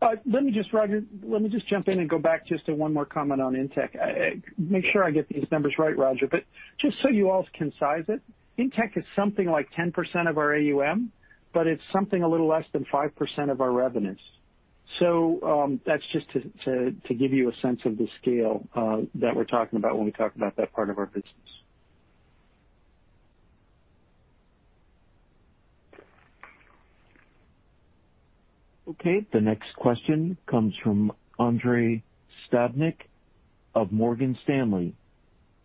Roger, let me just jump in and go back just to one more comment on Intech. Make sure I get these numbers right, Roger, but just so you all can size it, Intech is something like 10% of our AUM, but it's something a little less than 5% of our revenues. That's just to give you a sense of the scale that we're talking about when we talk about that part of our business. Okay. The next question comes from Andrei Stadnik of Morgan Stanley.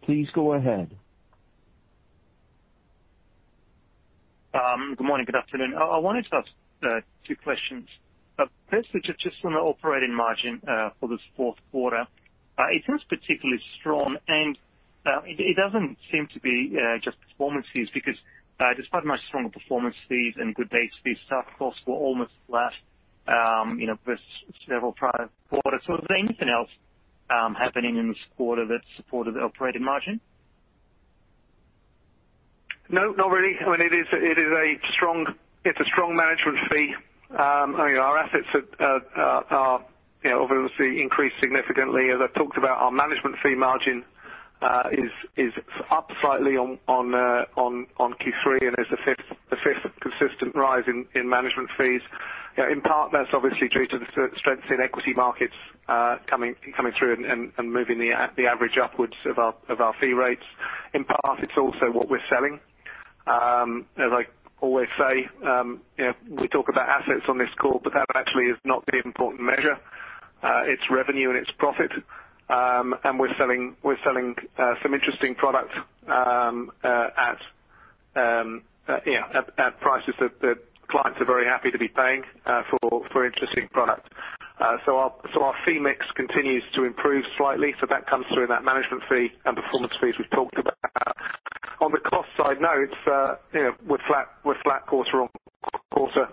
Please go ahead. Good morning, good afternoon. I wanted to ask two questions. First, just on the operating margin for this fourth quarter. It seems particularly strong, and it doesn't seem to be just performance fees, because despite much stronger performance fees and good base fees, stock costs were almost flat versus several prior quarters. Was there anything else happening in this quarter that supported the operating margin? No, not really. It's a strong management fee. Our assets have obviously increased significantly. As I talked about, our management fee margin is up slightly on Q3, and it's the fifth consistent rise in management fees. In part, that's obviously due to the strength in equity markets coming through and moving the average upwards of our fee rates. In part, it's also what we're selling. As I always say, we talk about assets on this call, but that actually is not the important measure. It's revenue and it's profit. We're selling some interesting product at prices that clients are very happy to be paying for interesting product. Our fee mix continues to improve slightly. That comes through in that management fee and performance fees we've talked about. On the cost side, no, we're flat quarter-on-quarter.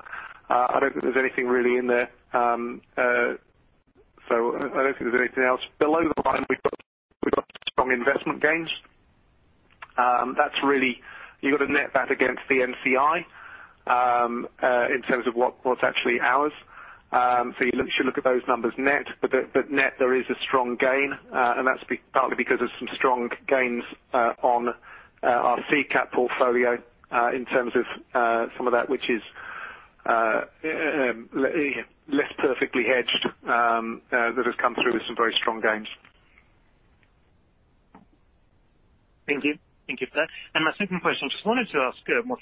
I don't think there's anything really in there. I don't think there's anything else. Below the line, we've got strong investment gains. You got to net that against the NCI, in terms of what's actually ours. You should look at those numbers net, but net there is a strong gain. That's partly because of some strong gains on our seed cap portfolio, in terms of some of that which is less perfectly hedged that has come through with some very strong gains. Thank you for that. My second question, I just wanted to ask a more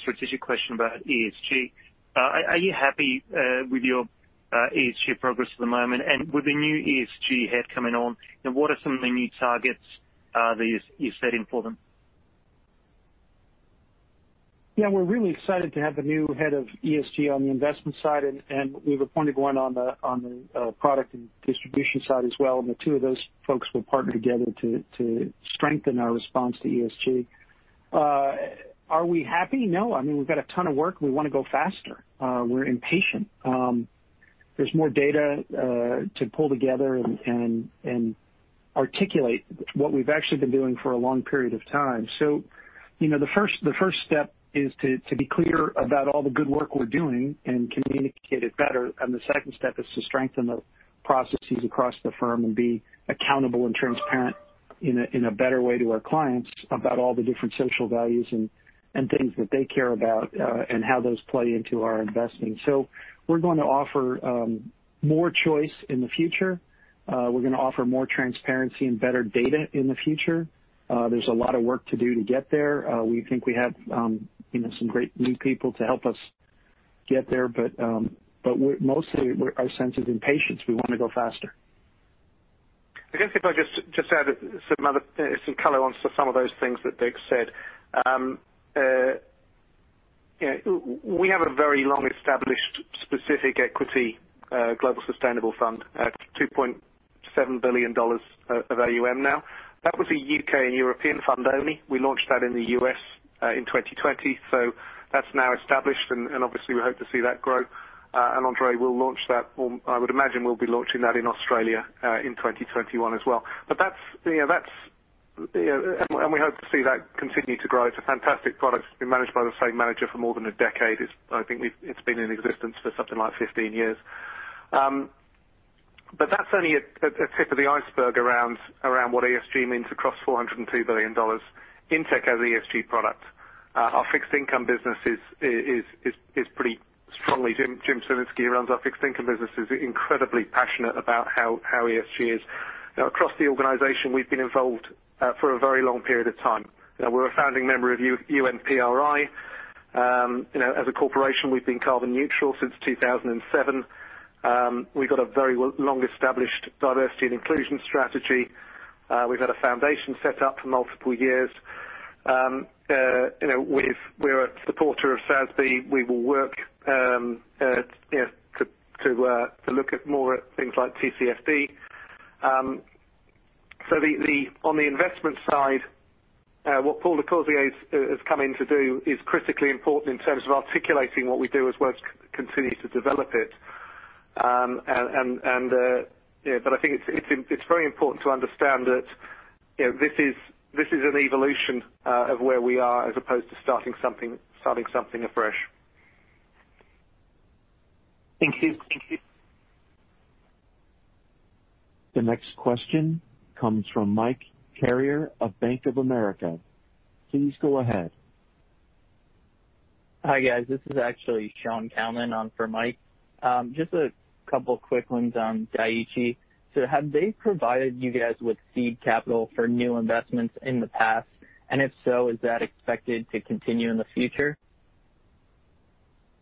strategic question about ESG. Are you happy with your ESG progress at the moment, and with the new ESG head coming on, what are some of the new targets that you're setting for them? Yeah, we're really excited to have the new Head of ESG on the investment side, and we've appointed one on the product and distribution side as well. The two of those folks will partner together to strengthen our response to ESG. Are we happy? No. We've got a ton of work, we want to go faster, we're impatient. There's more data to pull together and articulate what we've actually been doing for a long period of time. The first step is to be clear about all the good work we're doing and communicate it better. The second step is to strengthen the processes across the firm and be accountable and transparent in a better way to our clients about all the different social values and things that they care about, and how those play into our investing. We're going to offer more choice in the future. We're going to offer more transparency and better data in the future. There's a lot of work to do to get there. We think we have some great new people to help us get there. Mostly, our sense is impatience. We want to go faster. I guess if I just add some color onto some of those things that Dick said. We have a very long-established specific equity global sustainable fund at $2.7 billion of AUM now. That was a U.K. and European fund only. We launched that in the U.S. in 2020. So that's now established, and obviously we hope to see that grow, Andrei. Will launch that, or I would imagine we'll be launching that in Australia in 2021 as well. We hope to see that continue to grow. It's a fantastic product. It's been managed by the same manager for more than a decade. I think it's been in existence for something like 15 years. But that's only a tip of the iceberg around what ESG means across $402 billion in Intech as ESG product. Jim Cielinski runs our fixed income business, is incredibly passionate about how ESG is. Across the organization, we've been involved for a very long period of time. We're a founding member of UN PRI. As a corporation, we've been carbon neutral since 2007. We've got a very long-established diversity and inclusion strategy. We've had a foundation set up for multiple years. We're a supporter of SASB. We will work to look at more at things like TCFD. On the investment side, what Paul LaCoursiere has come in to do is critically important in terms of articulating what we do as we continue to develop it. I think it's very important to understand that this is an evolution of where we are as opposed to starting something afresh. Thank you. The next question comes from Mike Carrier of Bank of America. Please go ahead. Hi, guys. This is actually Sean Callan on for Mike. Just a couple quick ones on Dai-ichi. Have they provided you guys with seed capital for new investments in the past, and if so, is that expected to continue in the future?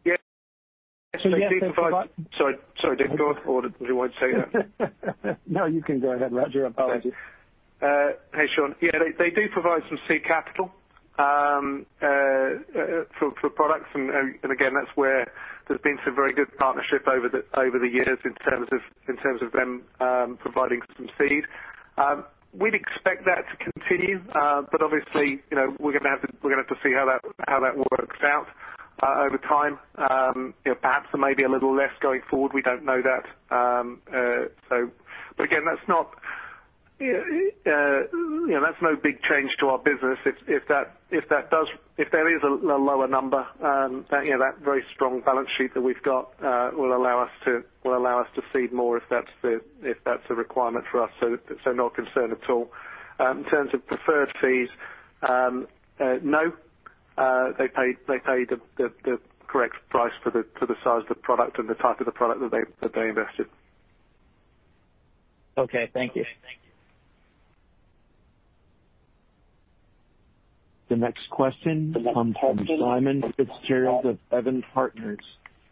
Yes, they do provide. Yes. Sorry, Dick, go on. Do you want to say that? No, you can go ahead, Roger. Apologies. Hey, Sean. Yeah, they do provide some seed capital for products. Again, that's where there's been some very good partnership over the years in terms of them providing some seed. We'd expect that to continue. Obviously, we're going to have to see how that works out over time. Perhaps there may be a little less going forward. We don't know that. Again, that's no big change to our business. If there is a lower number, that very strong balance sheet that we've got will allow us to seed more if that's a requirement for us. Not a concern at all. In terms of preferred fees, no. They pay the correct price for the size of the product and the type of the product that they invest in. Okay. Thank you. The next question comes from Simon Fitzgerald of Evans and Partners.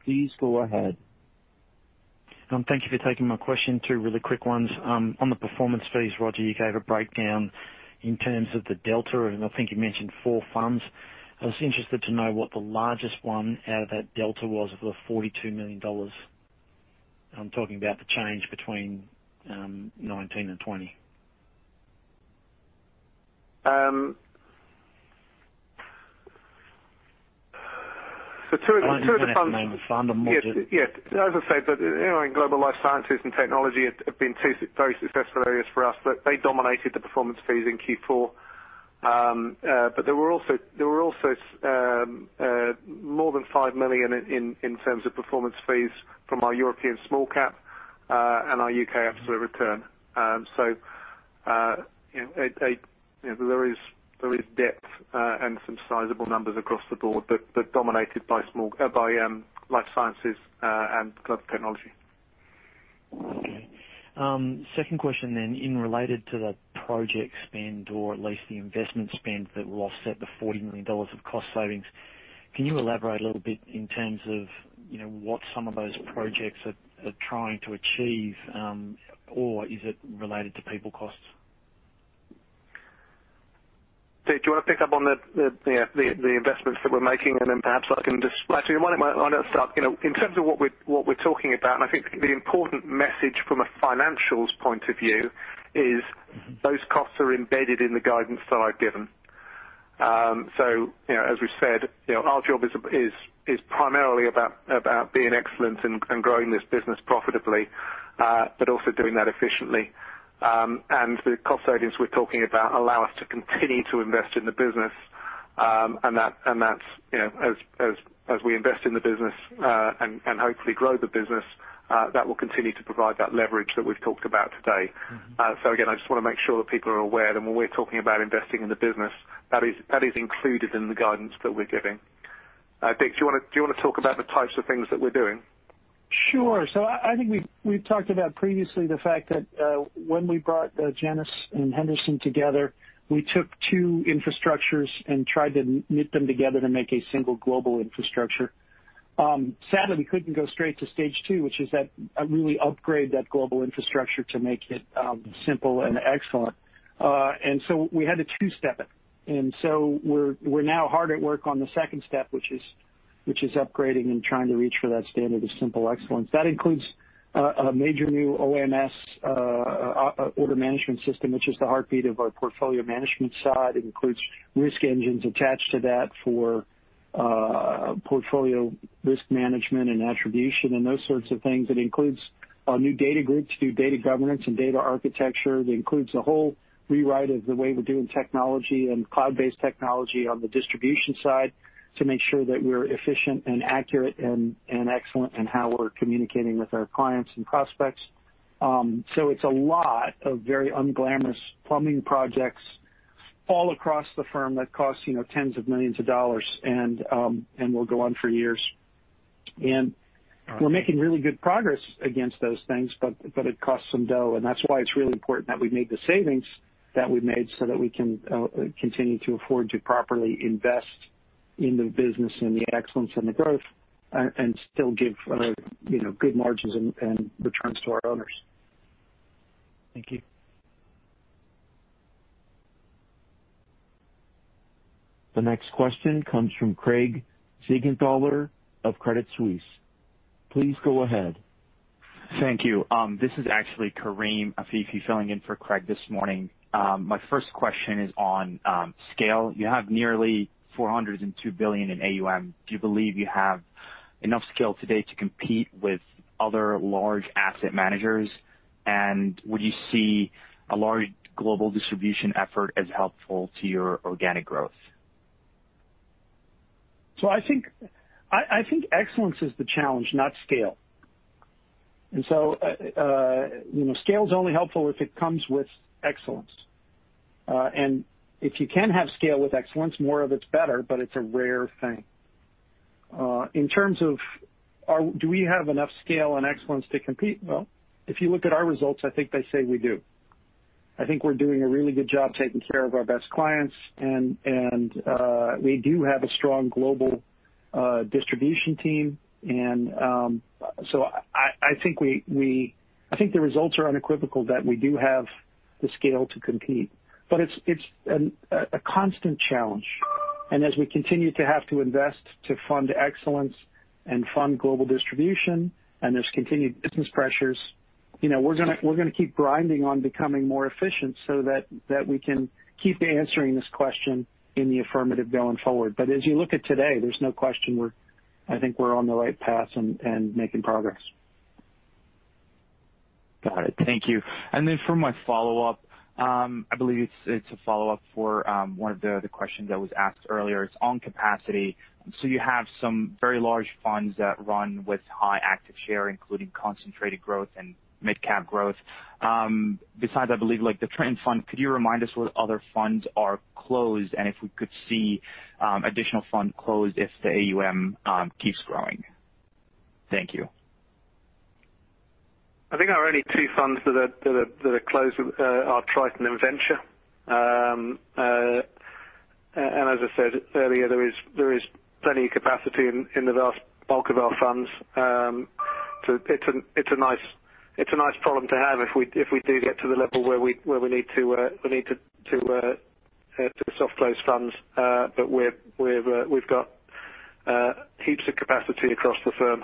Please go ahead. Thank you for taking my question, two really quick ones. On the performance fees, Roger, you gave a breakdown in terms of the delta, and I think you mentioned four funds. I was interested to know what the largest one out of that delta was of the $42 million. I'm talking about the change between 2019 and 2020. Two of the funds, yes. As I said, but anyway, global life sciences and technology have been two very successful areas for us. They dominated the performance fees in Q4. There were also more than $5 million in terms of performance fees from our European small cap, and our UK absolute return. There is depth, and some sizable numbers across the board, but dominated by life sciences and global technology. Okay. Second question, in related to the project spend or at least the investment spend that will offset the $40 million of cost savings, can you elaborate a little bit in terms of what some of those projects are trying to achieve, or is it related to people costs? Dick, do you want to pick up on the investments that we're making? In terms of what we're talking about, I think the important message from a financials point of view is those costs are embedded in the guidance that I've given. As we said, our job is primarily about being excellent and growing this business profitably, but also doing that efficiently. The cost savings we're talking about allow us to continue to invest in the business. As we invest in the business, and hopefully grow the business, that will continue to provide that leverage that we've talked about today. Again, I just want to make sure that people are aware that when we're talking about investing in the business, that is included in the guidance that we're giving. Dick, do you want to talk about the types of things that we're doing? Sure. I think we've talked about previously the fact that when we brought Janus and Henderson together, we took two infrastructures and tried to knit them together to make a single global infrastructure. Sadly, we couldn't go straight to stage two, which is that really upgrade that global infrastructure to make it simple and excellent. We had to two-step it. We're now hard at work on the second step, which is upgrading and trying to reach for that standard of Simple Excellence. That includes a major new OMS, Order Management System, which is the heartbeat of our portfolio management side. It includes risk engines attached to that for portfolio risk management and attribution and those sorts of things. It includes new data groups, new data governance and data architecture. It includes a whole rewrite of the way we're doing technology and cloud-based technology on the distribution side to make sure that we're efficient and accurate and excellent in how we're communicating with our clients and prospects. It's a lot of very unglamorous plumbing projects all across the firm that cost tens of millions of dollars and will go on for years. We're making really good progress against those things, but it costs some dough, and that's why it's really important that we made the savings that we made so that we can continue to afford to properly invest in the business and the excellence and the growth and still give good margins and returns to our owners. Thank you. The next question comes from Craig Siegenthaler of Credit Suisse. Please go ahead. Thank you. This is actually Kareem Afifi filling in for Craig this morning. My first question is on scale. You have nearly $402 billion in AUM. Do you believe you have enough scale today to compete with other large asset managers? Would you see a large global distribution effort as helpful to your organic growth? I think excellence is the challenge, not scale. Scale is only helpful if it comes with excellence. If you can have scale with excellence, more of it's better, but it's a rare thing. In terms of do we have enough scale and excellence to compete? Well, if you look at our results, I think they say we do. I think we're doing a really good job taking care of our best clients, and we do have a strong global distribution team. I think the results are unequivocal that we do have the scale to compete. It's a constant challenge. As we continue to have to invest to fund excellence and fund global distribution, and there's continued business pressures, we're going to keep grinding on becoming more efficient so that we can keep answering this question in the affirmative going forward. As you look at today, there's no question I think we're on the right path and making progress. Got it, thank you. Then for my follow-up, I believe it's a follow-up for one of the other questions that was asked earlier. It's on capacity. You have some very large funds that run with high active share, including concentrated growth and mid-cap growth. Besides, I believe, like the Triton Fund, could you remind us what other funds are closed, and if we could see additional fund closed if the AUM keeps growing? Thank you. I think our only two funds that are closed are Triton and Venture. As I said earlier, there is plenty of capacity in the vast bulk of our funds. It's a nice problem to have if we do get to the level where we need to soft close funds. We've got heaps of capacity across the firm.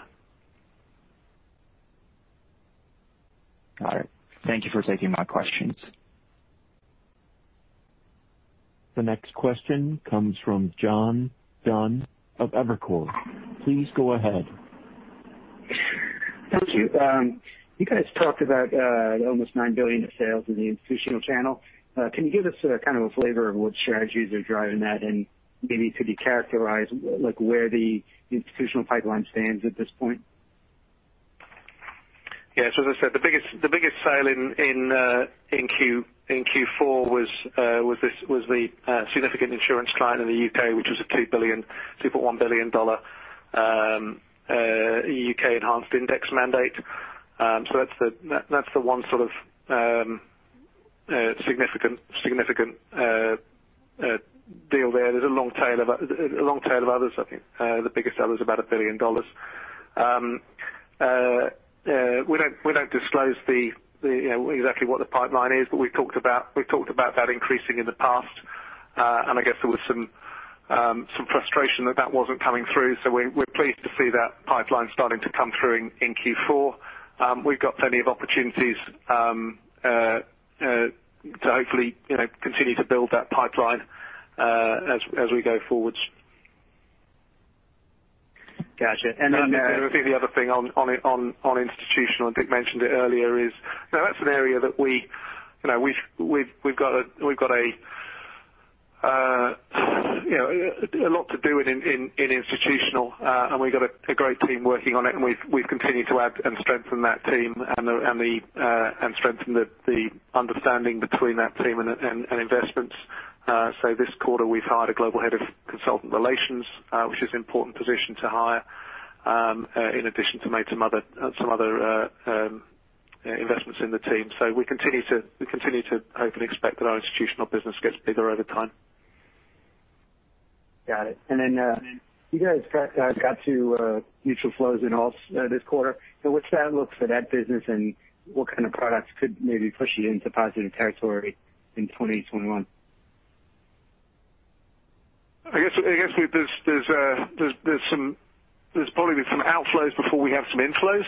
All right, thank you for taking my questions. The next question comes from John Dunn of Evercore. Please go ahead. Thank you. You guys talked about almost $9 billion of sales in the institutional channel. Can you give us a flavor of what strategies are driving that and maybe could you characterize where the institutional pipeline stands at this point? Yes. As I said, the biggest sale in Q4 was the significant insurance client in the U.K., which was a $2.1 billion U.K. enhanced index mandate. That's the one significant deal there. There's a long tail of others. I think, the biggest other is about $1 billion. We don't disclose exactly what the pipeline is. We talked about that increasing in the past. I guess there was some frustration that that wasn't coming through. We're pleased to see that pipeline starting to come through in Q4. We've got plenty of opportunities to hopefully continue to build that pipeline as we go forwards. Got you. I think the other thing on institutional, and Dick mentioned it earlier, is that's an area that we've got a lot to do in institutional, and we've got a great team working on it, and we've continued to add and strengthen that team and strengthen the understanding between that team and investments. This quarter, we've hired a Global Head of Consultant Relations, which is an important position to hire, in addition to some other investments in the team. We continue to hope and expect that our institutional business gets bigger over time. Got it. You guys got to mutual flows in alts this quarter. What's the outlook for that business and what kind of products could maybe push you into positive territory in 2021? I guess there's probably some outflows before we have some inflows.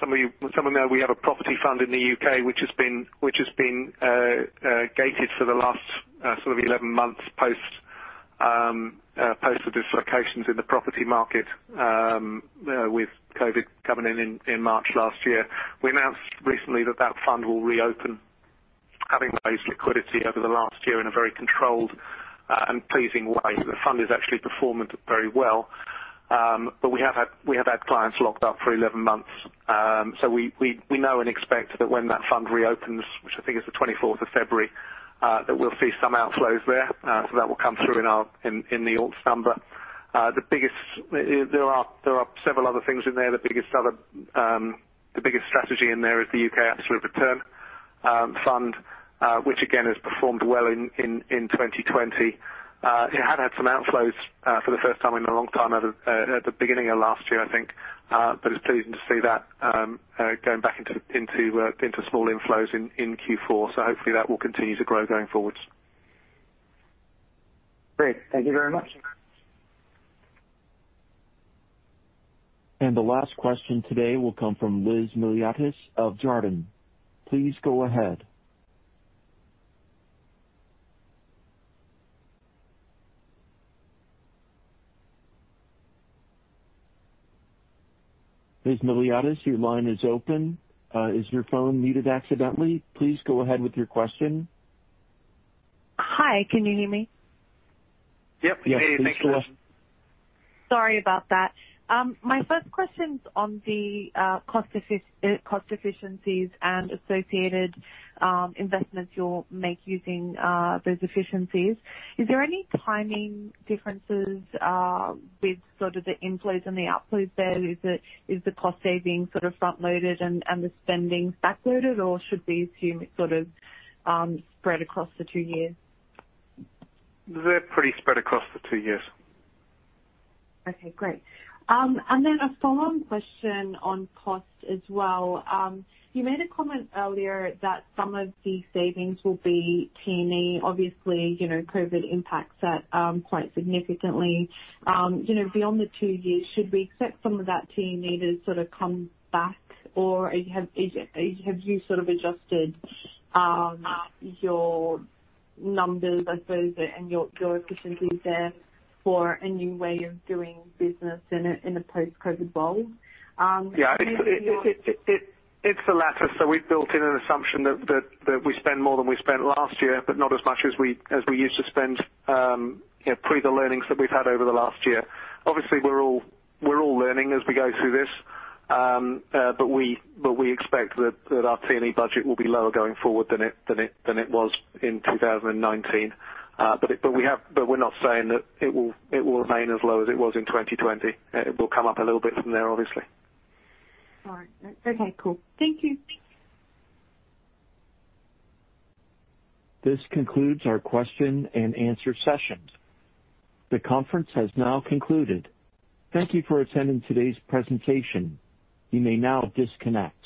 Some of you will know we have a property fund in the U.K., which has been gated for the last 11 months post the dislocations in the property market with COVID coming in in March last year. We announced recently that that fund will reopen, having raised liquidity over the last year in a very controlled and pleasing way. The fund has actually performed very well. We have had clients locked up for 11 months. We know and expect that when that fund reopens, which I think is February 24th, that we'll see some outflows there. That will come through in the alts number. There are several other things in there. The biggest strategy in there is the U.K. Absolute Return Fund, which again has performed well in 2020. It had had some outflows for the first time in a long time at the beginning of last year, I think. It's pleasing to see that going back into small inflows in Q4. Hopefully that will continue to grow going forwards. Great, thank you very much. The last question today will come from Liz Miliatis of Jarden. Please go ahead. Liz Miliatis, your line is open. Is your phone muted accidentally? Please go ahead with your question. Hi, can you hear me? Yep. Yes. Yeah, we can hear you. Sorry about that. My first question's on the cost efficiencies and associated investments you'll make using those efficiencies. Is there any timing differences with sort of the inflows and the outflows there? Is the cost saving sort of front-loaded and the spending backloaded, or should we assume it's sort of spread across the two years? They're pretty spread across the two years. Okay, great. Then a follow-on question on cost as well. You made a comment earlier that some of the savings will be T&E. Obviously, COVID impacts that quite significantly. Beyond the two years, should we expect some of that T&E to sort of come back, or have you sort of adjusted your numbers, I suppose, and your efficiencies there for a new way of doing business in a post-COVID world? Yeah, it's the latter. We've built in an assumption that we spend more than we spent last year, but not as much as we used to spend pre the learnings that we've had over the last year. Obviously, we're all learning as we go through this. We expect that our T&E budget will be lower going forward than it was in 2019. We're not saying that it will remain as low as it was in 2020. It will come up a little bit from there, obviously. All right. Okay, cool. Thank you. This concludes our question-and-answer session. The conference has now concluded. Thank you for attending today's presentation. You may now disconnect.